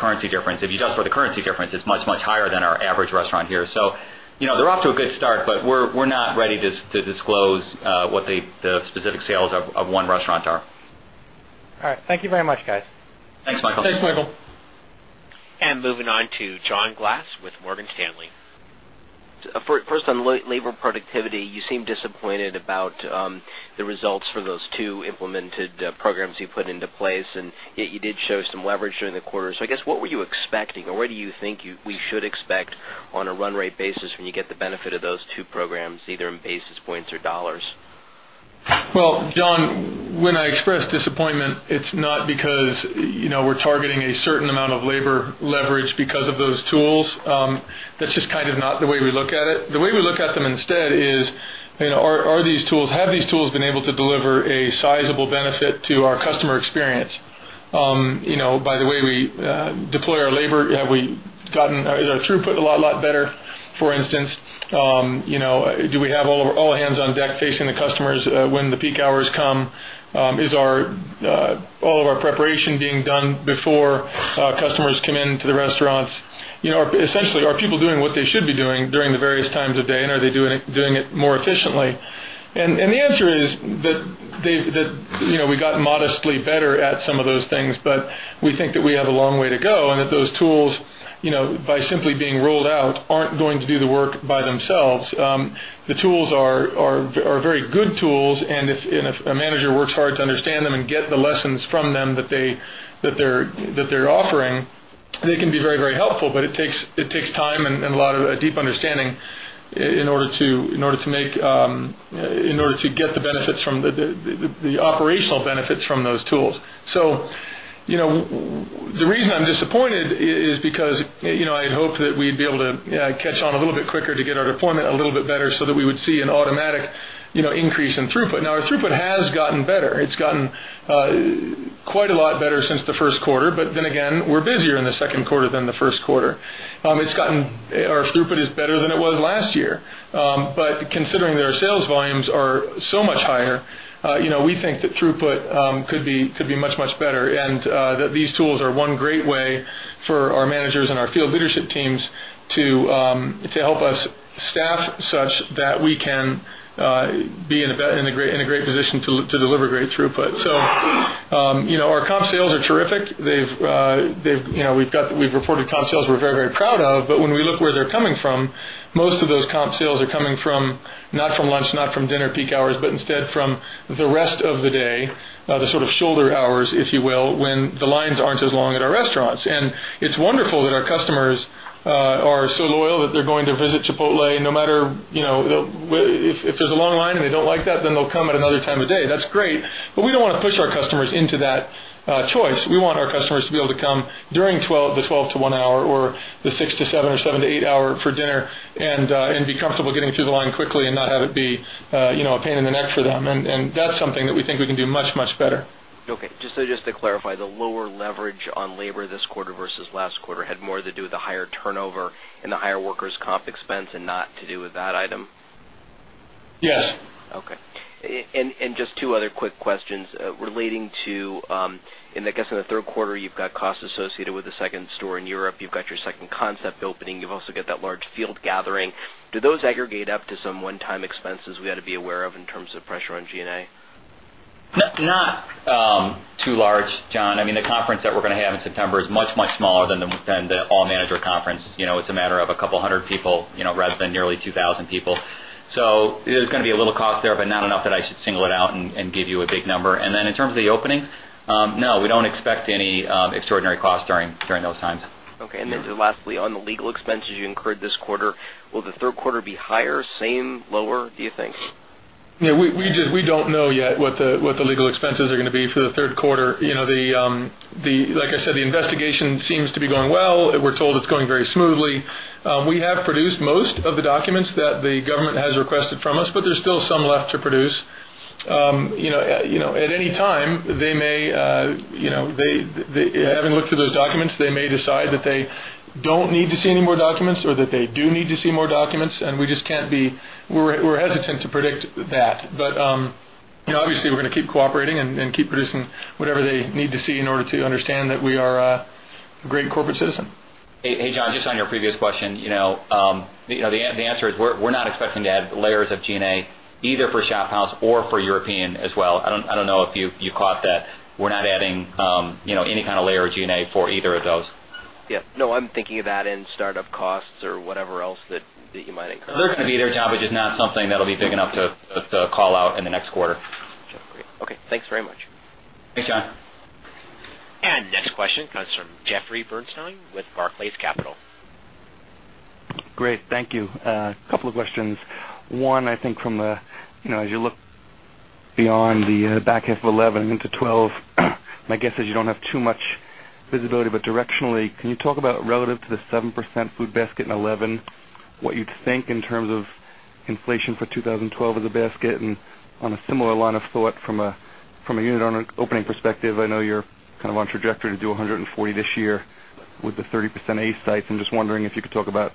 currency difference. If you adjust for the currency difference, it's much, much higher than our average restaurant here. They're off to a good start, but we're not ready to disclose what the specific sales of one restaurant are. All right. Thank you very much, guys. Thanks, Michael. Thanks, Michael. Moving on to John Glass with Morgan Stanley. First on labor productivity, you seem disappointed about the results for those two implemented programs you put into place, and yet you did show some leverage during the quarter. I guess, what were you expecting, or what do you think we should expect on a run rate basis when you get the benefit of those two programs, either in basis points or dollars? John, when I express disappointment, it's not because we're targeting a certain amount of labor leverage because of those tools. That's just not the way we look at it. The way we look at them instead is, are these tools, have these tools been able to deliver a sizable benefit to our customer experience? By the way we deploy our labor, have we gotten our throughput a lot better? For instance, do we have all hands on deck facing the customers when the peak hours come? Is all of our preparation being done before customers come into the restaurants? Essentially, are people doing what they should be doing during the various times of day, and are they doing it more efficiently? The answer is that we got modestly better at some of those things, but we think that we have a long way to go and that those tools, by simply being rolled out, aren't going to do the work by themselves. The tools are very good tools, and if a manager works hard to understand them and get the lessons from them that they're offering, they can be very helpful, but it takes time and a lot of deep understanding in order to get the benefits from the operational benefits from those tools. The reason I'm disappointed is because I'd hoped that we'd be able to catch on a little bit quicker to get our deployment a little bit better so that we would see an automatic increase in throughput. Now, our throughput has gotten better. It's gotten quite a lot better since the first quarter, but then again, we're busier in the second quarter than the first quarter. Our throughput is better than it was last year, but considering that our sales volumes are so much higher, we think that throughput could be much better and that these tools are one great way for our managers and our field leadership teams to help us staff such that we can be in a great position to deliver great throughput. Our comp sales are terrific. We've reported comp sales we're very proud of, but when we look where they're coming from, most of those comp sales are coming not from lunch, not from dinner peak hours, but instead from the rest of the day, the sort of shoulder hours, if you will, when the lines aren't as long at our restaurants. It's wonderful that our customers are so loyal that they're going to visit Chipotle no matter, you know, if there's a long line and they don't like that, then they'll come at another time of day. That's great, but we don't want to push our customers into that choice. We want our customers to be able to come during the 12:00 P.M.-1:00 P.M. hour or the 6:00 P.M.-7:00 P.M.or 7:00 P.M.-8:00 A.M. hour for dinner and be comfortable getting through the line quickly and not have it be, you know, a pain in the neck for them. That's something that we think we can do much, much better. Okay, just to clarify, the lower leverage on labor this quarter versus last quarter had more to do with the higher turnover and the higher workers' comp expense, and not to do with that item? Yes. Okay. Just two other quick questions relating to, I guess in the third quarter, you've got costs associated with the second store in Europe, you've got your second concept opening, and you've also got that large field gathering. Do those aggregate up to some one-time expenses we have to be aware of in terms of pressure on G&A? Not too large, John. I mean, the conference that we're going to have in September is much, much smaller than the All Manager Conference. It's a matter of a couple hundred people, rather than nearly 2,000 people. There's going to be a little cost there, but not enough that I should single it out and give you a big number. In terms of the openings, no, we don't expect any extraordinary costs during those times. Okay. Lastly, on the legal expenses you incurred this quarter, will the third quarter be higher, same, or lower, do you think? Yeah, we just don't know yet what the legal expenses are going to be for the third quarter. Like I said, the investigation seems to be going well. We're told it's going very smoothly. We have produced most of the documents that the government has requested from us, but there's still some left to produce. At any time, they may, having looked through those documents, decide that they don't need to see any more documents or that they do need to see more documents, and we're hesitant to predict that. Obviously, we're going to keep cooperating and keep producing whatever they need to see in order to understand that we are a great corporate citizen. Hey, John, just on your previous question, the answer is we're not expecting to add layers of G&A either for Shophouse or for European as well. I don't know if you caught that. We're not adding any kind of layer of G&A for either of those. Yeah, no, I'm thinking of that in startup costs or whatever else that you might incur. They're going to be there, John, just not something that'll be big enough to call out in the next quarter. Okay, thanks very much. Thanks, John. The next question comes from Jeffrey Bernstein with Barclays Capital. Great, thank you. A couple of questions. One, I think from the, you know, as you look beyond the back half of 2011 into 2012, my guess is you don't have too much visibility, but directionally, can you talk about relative to the 7% food basket in 2011, what you'd think in terms of inflation for 2012 of the basket? On a similar line of thought from a unit on an opening perspective, I know you're kind of on trajectory to do 140 this year with the 30% A-model sites. I'm just wondering if you could talk about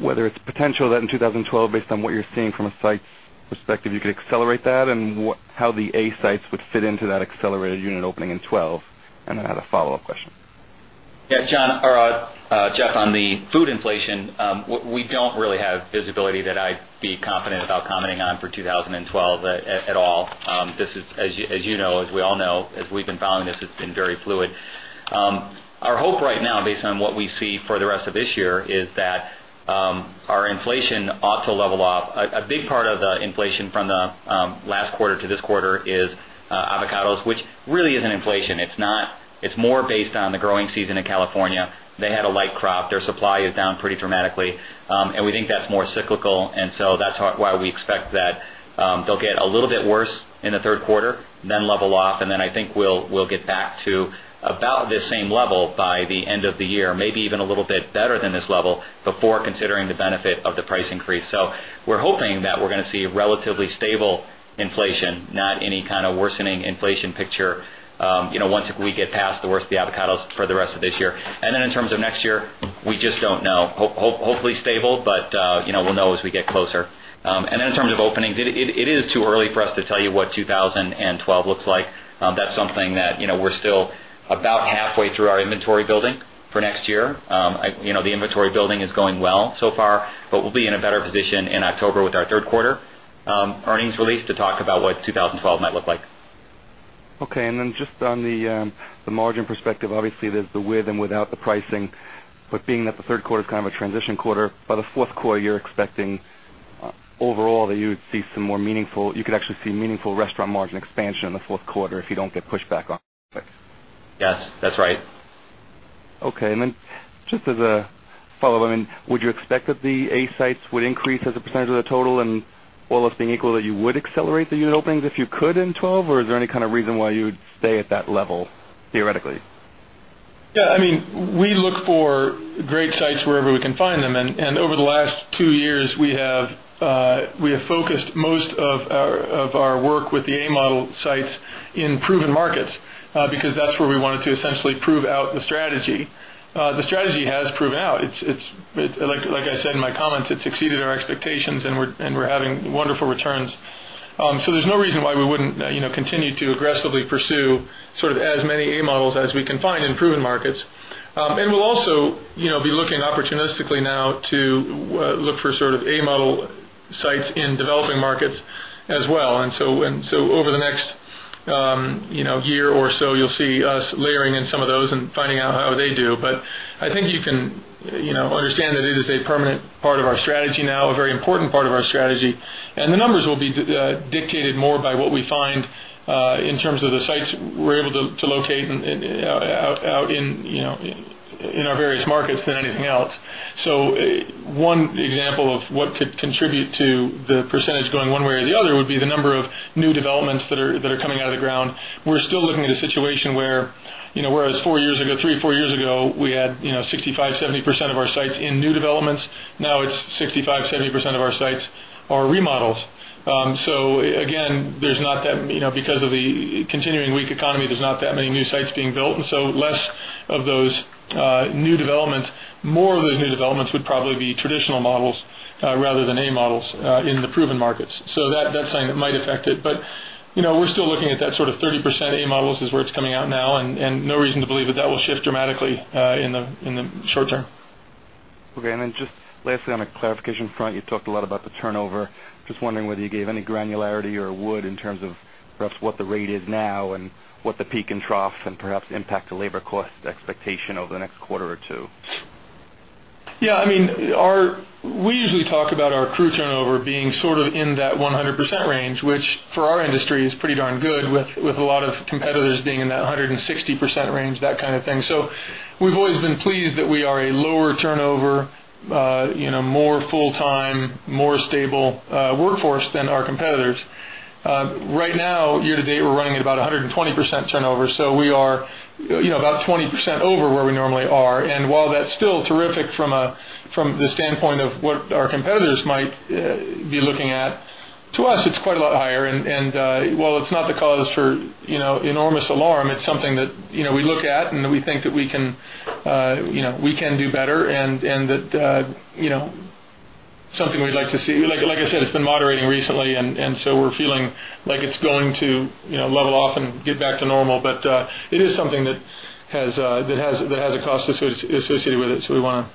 whether it's potential that in 2012, based on what you're seeing from an A-model sites perspective, you could accelerate that and how the A sites would fit into that accelerated unit opening in 2012. I have a follow-up question. Yeah, John, or Jeff, on the food inflation, we don't really have visibility that I'd be confident about commenting on for 2012 at all. This is, as you know, as we all know, as we've been following this, it's been very fluid. Our hope right now, based on what we see for the rest of this year, is that our inflation ought to level off. A big part of the inflation from the last quarter to this quarter is avocados, which really isn't inflation. It's not, it's more based on the growing season in California. They had a light crop. Their supply is down pretty dramatically. We think that's more cyclical, and that's why we expect that they'll get a little bit worse in the third quarter, then level off. I think we'll get back to about the same level by the end of the year, maybe even a little bit better than this level before considering the benefit of the price increase. We're hoping that we're going to see relatively stable inflation, not any kind of worsening inflation picture, you know, once we get past the worst of the avocados for the rest of this year. In terms of next year, we just don't know. Hopefully stable, but you know, we'll know as we get closer. In terms of opening, it is too early for us to tell you what 2012 looks like. That's something that, you know, we're still about halfway through our inventory building for next year. The inventory building is going well so far, but we'll be in a better position in October with our third quarter earnings release to talk about what 2012 might look like. Okay. Just on the margin perspective, obviously there's the with and without the pricing, but being that the third quarter is kind of a transition quarter, by the fourth quarter, you're expecting overall that you would see some more meaningful, you could actually see meaningful restaurant margin expansion in the fourth quarter if you don't get pushed back on. Yes, that's right. Okay. And then just as a follow-up, I mean, would you expect that the A sites would increase as a percentage of the total and, all else being equal, that you would accelerate the unit openings if you could in 2012, or is there any kind of reason why you'd stay at that level theoretically? Yeah. I mean, we look for great sites wherever we can find them. Over the last two years, we have focused most of our work with the A-model sites in proven markets because that's where we wanted to essentially prove out the strategy. The strategy has proven out. It's, like I said in my comments, it's exceeded our expectations and we're having wonderful returns. There is no reason why we wouldn't continue to aggressively pursue as many A-models as we can find in proven markets. We'll also be looking opportunistically now to look for A-model sites in developing markets as well. Over the next year or so, you'll see us layering in some of those and finding out how they do. I think you can understand that it is a permanent part of our strategy now, a very important part of our strategy. The numbers will be dictated more by what we find in terms of the sites we're able to locate in our various markets than anything else. One example of what could contribute to the percentage going one way or the other would be the number of new developments that are coming out of the ground. We're still looking at a situation where, whereas four years ago, three, four years ago, we had 65%,70% of our sites in new developments. Now it's 65%,70% of our sites are remodels. Again, because of the continuing weak economy, there's not that many new sites being built. Less of those new developments, more of those new developments would probably be traditional models rather than A-models in the proven markets. That's something that might affect it. We're still looking at that sort of 30% A-models is where it's coming out now. No reason to believe that that will shift dramatically in the short term. Okay. Lastly, on a clarification front, you talked a lot about the turnover. Just wondering whether you gave any granularity or would in terms of perhaps what the rate is now and what the peak and trough and perhaps impact to labor cost expectation over the next quarter or two. Yeah, I mean, we usually talk about our crew turnover being sort of in that 100% range, which for our industry is pretty darn good with a lot of competitors being in that 160% range, that kind of thing. We have always been pleased that we are a lower turnover, you know, more full-time, more stable workforce than our competitors. Right now, year to date, we're running at about 120% turnover. We are about 20% over where we normally are. While that's still terrific from the standpoint of what our competitors might be looking at, to us, it's quite a lot higher. While it's not the cause for enormous alarm, it's something that we look at and we think that we can do better and that it's something we'd like to see. Like I said, it's been moderating recently. We are feeling like it's going to level off and get back to normal. It is something that has a cost associated with it. We want to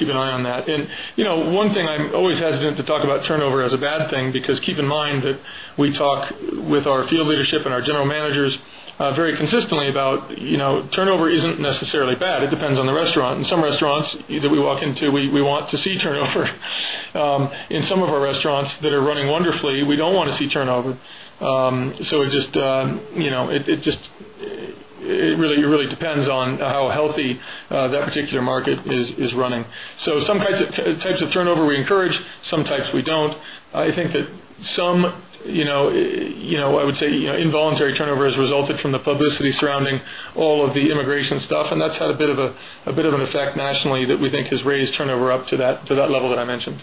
keep an eye on that. One thing, I'm always hesitant to talk about turnover as a bad thing because keep in mind that we talk with our field leadership and our General Managers very consistently about turnover not necessarily being bad. It depends on the restaurant. Some restaurants that we walk into, we want to see turnover. In some of our restaurants that are running wonderfully, we don't want to see turnover. It just really depends on how healthy that particular market is running. Some types of turnover we encourage, some types we don't. I think that some involuntary turnover has resulted from the publicity surrounding all of the immigration stuff. That's had a bit of an effect nationally that we think has raised turnover up to that level that I mentioned.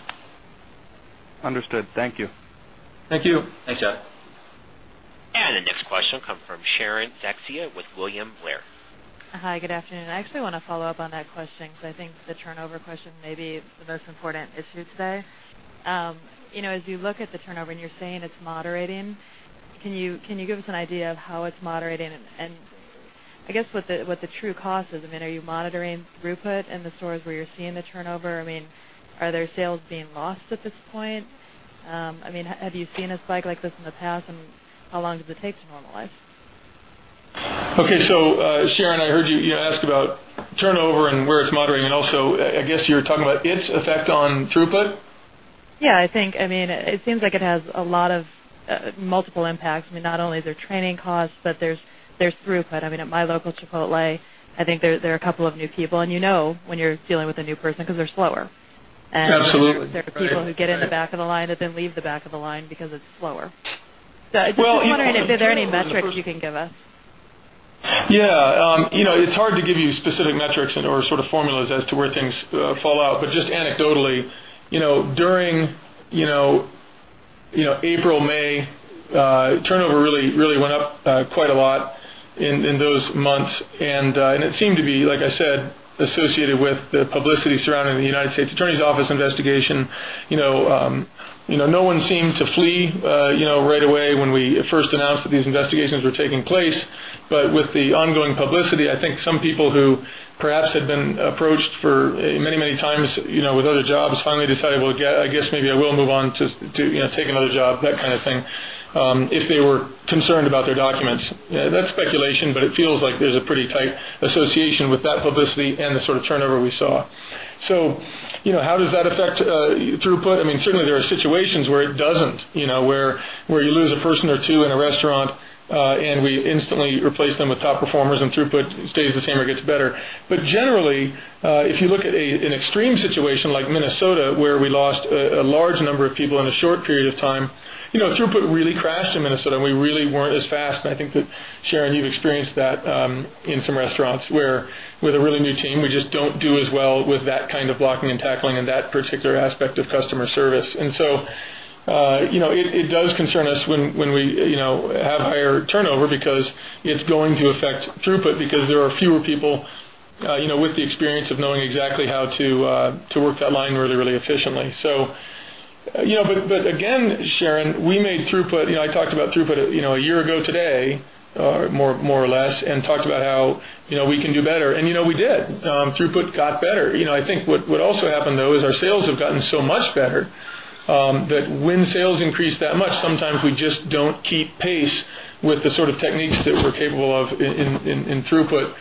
Understood. Thank you. Thank you. Thanks, John. The next question comes from Sharon Zackfia with William Blair. Hi, good afternoon. I actually want to follow up on that question because I think the turnover question may be the most important issue today. As you look at the turnover and you're saying it's moderating, can you give us an idea of how it's moderating? I guess what the true cost is, I mean, are you monitoring throughput in the stores where you're seeing the turnover? I mean, are there sales being lost at this point? Have you seen a spike like this in the past? How long does it take to normalize? Okay, Sharon, I heard you ask about turnover and where it's moderating. I guess you're talking about its effect on throughput? I think it seems like it has a lot of multiple impacts. Not only is there training costs, but there's throughput. At my local Chipotle, I think there are a couple of new people. You know when you're dealing with a new person because they're slower. Absolutely. There are people who get in the back of the line that then leave the back of the line because it's slower. Well. I'm just wondering if there are any metrics you can give us. Yeah, you know, it's hard to give you specific metrics or sort of formulas as to where things fall out. Just anecdotally, during April and May, turnover really, really went up quite a lot in those months. It seemed to be, like I said, associated with the publicity surrounding the U.S. Attorney’s Office investigation. No one seemed to flee right away when we first announced that these investigations were taking place. With the ongoing publicity, I think some people who perhaps had been approached many, many times with other jobs finally decided, well, I guess maybe I will move on to take another job, that kind of thing, if they were concerned about their documents. That's speculation, but it feels like there's a pretty tight association with that publicity and the sort of turnover we saw. How does that affect throughput? Certainly, there are situations where it doesn't, where you lose a person or two in a restaurant and we instantly replace them with top performers and throughput stays the same or gets better. Generally, if you look at an extreme situation like Minnesota, where we lost a large number of people in a short period of time, throughput really crashed in Minnesota and we really weren't as fast. I think that, Sharon, you've experienced that in some restaurants where with a really new team, we just don't do as well with that kind of blocking and tackling and that particular aspect of customer service. It does concern us when we have higher turnover because it's going to affect throughput, because there are fewer people with the experience of knowing exactly how to work that line really, really efficiently. Again, Sharon, we made throughput, I talked about throughput a year ago today, or more or less, and talked about how we can do better. We did. Throughput got better. I think what also happened, though, is our sales have gotten so much better that when sales increase that much, sometimes we just don't keep pace with the sort of techniques that we're capable of in throughput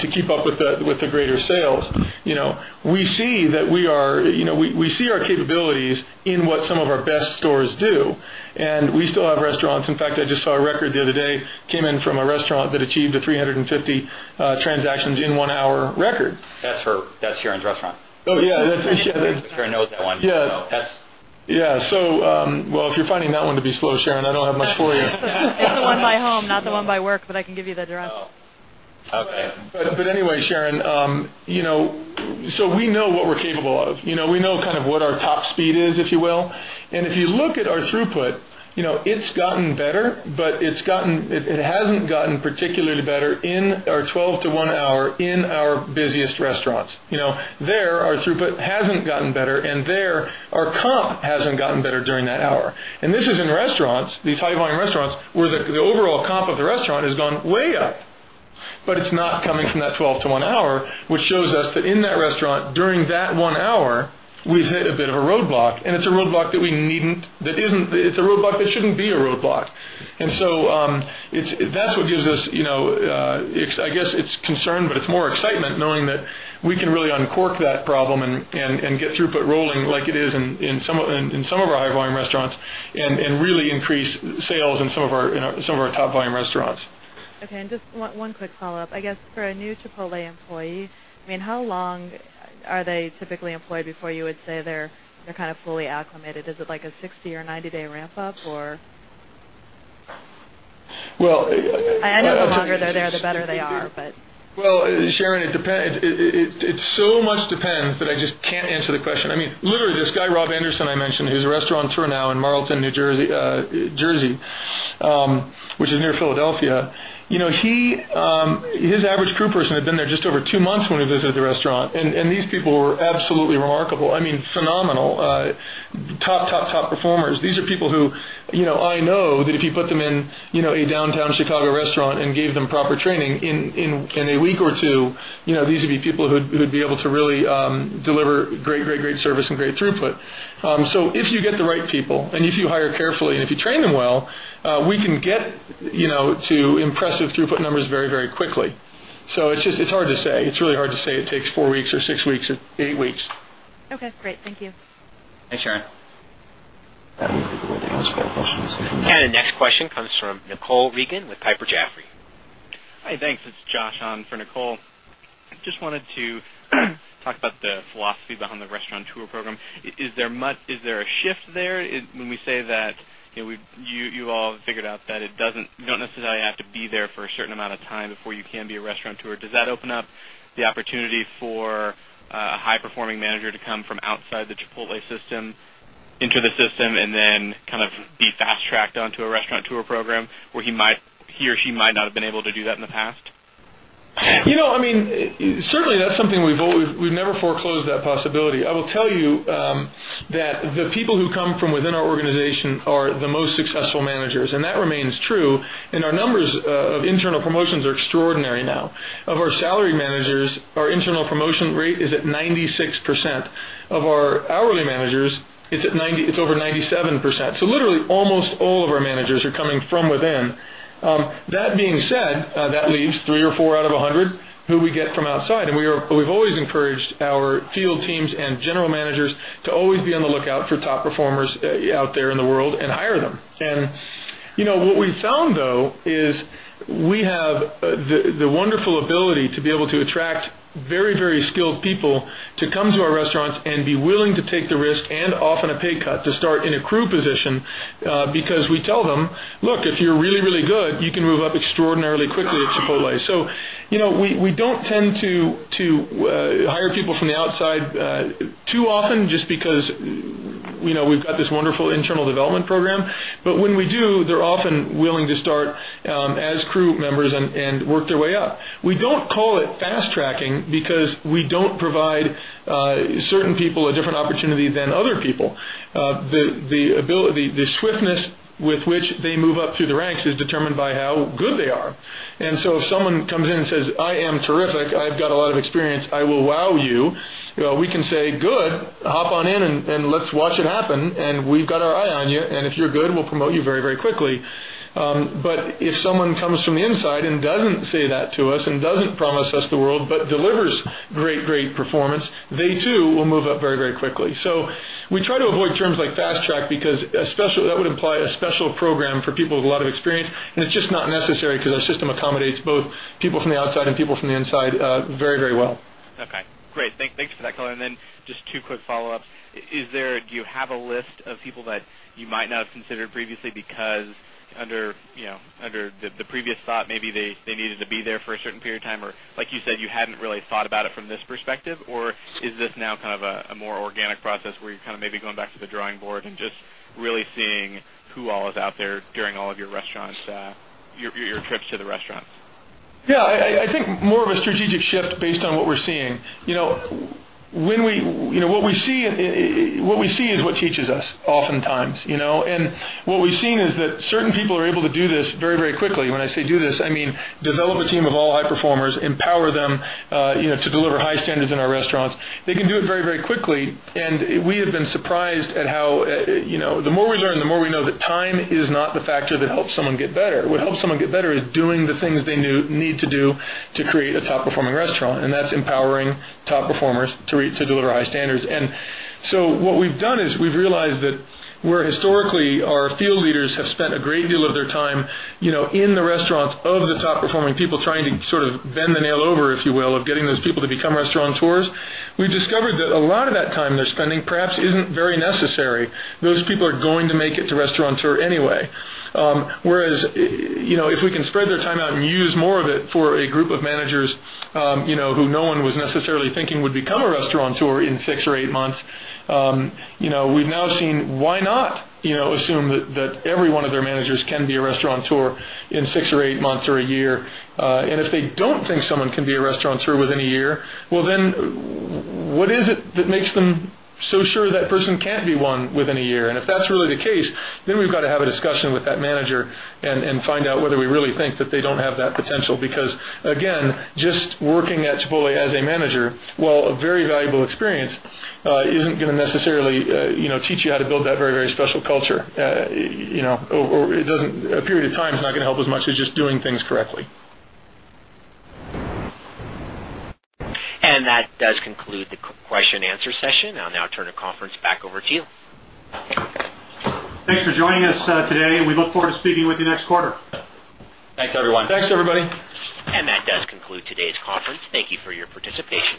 to keep up with the greater sales. We see that we are, we see our capabilities in what some of our best stores do. We still have restaurants. In fact, I just saw a record the other day came in from a restaurant that achieved 350 transactions in one hour record. That's Sharon Zackfia's restaurant. Oh, yeah. I'm sure I know that one. If you're finding that one to be slow, Sharon, I don't have much for you. It's the one by home, not the one by work, but I can give you the address. Oh, okay. Sharon, you know, we know what we're capable of. We know kind of what our top speed is, if you will. If you look at our throughput, it's gotten better, but it hasn't gotten particularly better in our 12:00 P.M.-1:00 P.M. hour in our busiest restaurants. There, our throughput hasn't gotten better and there, our comp hasn't gotten better during that hour. This is in restaurants, these high-volume restaurants where the overall comp of the restaurant has gone way up. It's not coming from that 12:00 P.M.-1:00 A.M. hour, which shows us that in that restaurant, during that one hour, we've hit a bit of a roadblock. It's a roadblock that shouldn't be a roadblock. That's what gives us, I guess it's concern, but it's more excitement knowing that we can really uncork that problem and get throughput rolling like it is in some of our high-volume restaurants and really increase sales in some of our top-volume restaurants. Okay, and just one quick follow-up. I guess for a new Chipotle employee, I mean, how long are they typically employed before you would say they're kind of fully acclimated? Is it like a 60 or 90-day ramp-up or? Well. I know the longer they're there, the better they are. Sharon, it depends. It so much depends that I just can't answer the question. I mean, literally, this guy, Rob Anderson, I mentioned, who's a restaurateur now in Marlton, New Jersey, which is near Philadelphia, his average crew person had been there just over two months when he visited the restaurant. These people were absolutely remarkable, phenomenal, top performers. These are people who, I know that if you put them in a downtown Chicago restaurant and gave them proper training in a week or two, these would be people who'd be able to really deliver great service and great throughput. If you get the right people and if you hire carefully and if you train them well, we can get to impressive throughput numbers very quickly. It's just hard to say. It's really hard to say it takes four weeks or six weeks or eight weeks. Okay, great. Thank you. Thanks, Sharon. That was a good answer for all questions. The next question comes from Nicole Regan with Piper Jaffray. Hi, thanks. It's Josh on for Nicole. I just wanted to talk about the philosophy behind the restauranteur program. Is there a shift there when we say that, you know, you all have figured out that it doesn't, you don't necessarily have to be there for a certain amount of time before you can be a Restauranteur? Does that open up the opportunity for a high-performing manager to come from outside the Chipotle system into the system and then kind of be fast-tracked onto a Restauranteur program where he or she might not have been able to do that in the past? Certainly that's something we've always, we've never foreclosed that possibility. I will tell you that the people who come from within our organization are the most successful managers. That remains true. Our numbers of internal promotions are extraordinary now. Of our salary managers, our internal promotion rate is at 96%. Of our hourly managers, it's over 97%. Literally, almost all of our managers are coming from within. That being said, that leaves three or four out of a hundred who we get from outside. We've always encouraged our field teams and General Managers to always be on the lookout for top performers out there in the world and hire them. What we've found, though, is we have the wonderful ability to be able to attract very, very skilled people to come to our restaurants and be willing to take the risk and often a pay cut to start in a crew position because we tell them, look, if you're really, really good, you can move up extraordinarily quickly at Chipotle. We don't tend to hire people from the outside too often just because we've got this wonderful internal development program. When we do, they're often willing to start as crew members and work their way up. We don't call it fast-tracking because we don't provide certain people a different opportunity than other people. The ability, the swiftness with which they move up through the ranks is determined by how good they are. If someone comes in and says, I am terrific, I've got a lot of experience, I will wow you, we can say, good, hop on in and let's watch it happen. We've got our eye on you. If you're good, we'll promote you very, very quickly. If someone comes from the inside and doesn't say that to us and doesn't promise us the world, but delivers great, great performance, they too will move up very, very quickly. We try to avoid terms like fast-track because especially that would imply a special program for people with a lot of experience. It's just not necessary because our system accommodates both people from the outside and people from the inside very, very well. Okay, great. Thanks for that, color. Just two quick follow-ups. Is there, do you have a list of people that you might not have considered previously because under, you know, under the previous thought, maybe they needed to be there for a certain period of time, or, like you said, you hadn't really thought about it from this perspective? Is this now kind of a more organic process where you're maybe going back to the drawing board and just really seeing who all is out there during all of your restaurants, your trips to the restaurants? Yeah, I think more of a strategic shift based on what we're seeing. What we see is what teaches us oftentimes, and what we've seen is that certain people are able to do this very, very quickly. When I say do this, I mean develop a team of all high performers, empower them to deliver high standards in our restaurants. They can do it very, very quickly. We have been surprised at how the more we learn, the more we know that time is not the factor that helps someone get better. What helps someone get better is doing the things they need to do to create a top-performing restaurant. That's empowering top performers to reach and deliver high standards. What we've done is we've realized that where historically our field leaders have spent a great deal of their time in the restaurants of the top-performing people trying to sort of bend the nail over, if you will, of getting those people to become Restaurateurs, we've discovered that a lot of that time they're spending perhaps isn't very necessary. Those people are going to make it to restaurateur anyway. If we can spread their time out and use more of it for a group of managers who no one was necessarily thinking would become a Restaurateur in six or eight months, we've now seen why not assume that every one of their managers can be a Restaurateur in six or eight months or a year. If they don't think someone can be a Restaurateur within a year, what is it that makes them so sure that person can't be one within a year? If that's really the case, we've got to have a discussion with that manager and find out whether we really think that they don't have that potential because, again, just working at Chipotle as a manager, while a very valuable experience, isn't going to necessarily teach you how to build that very, very special culture. A period of time is not going to help as much as just doing things correctly. That does conclude the question and answer session. I'll now turn the conference back over to you. you for joining us today. We look forward to speaking with you next quarter. Thanks, everyone. Thanks, everybody. That does conclude today's conference. Thank you for your participation.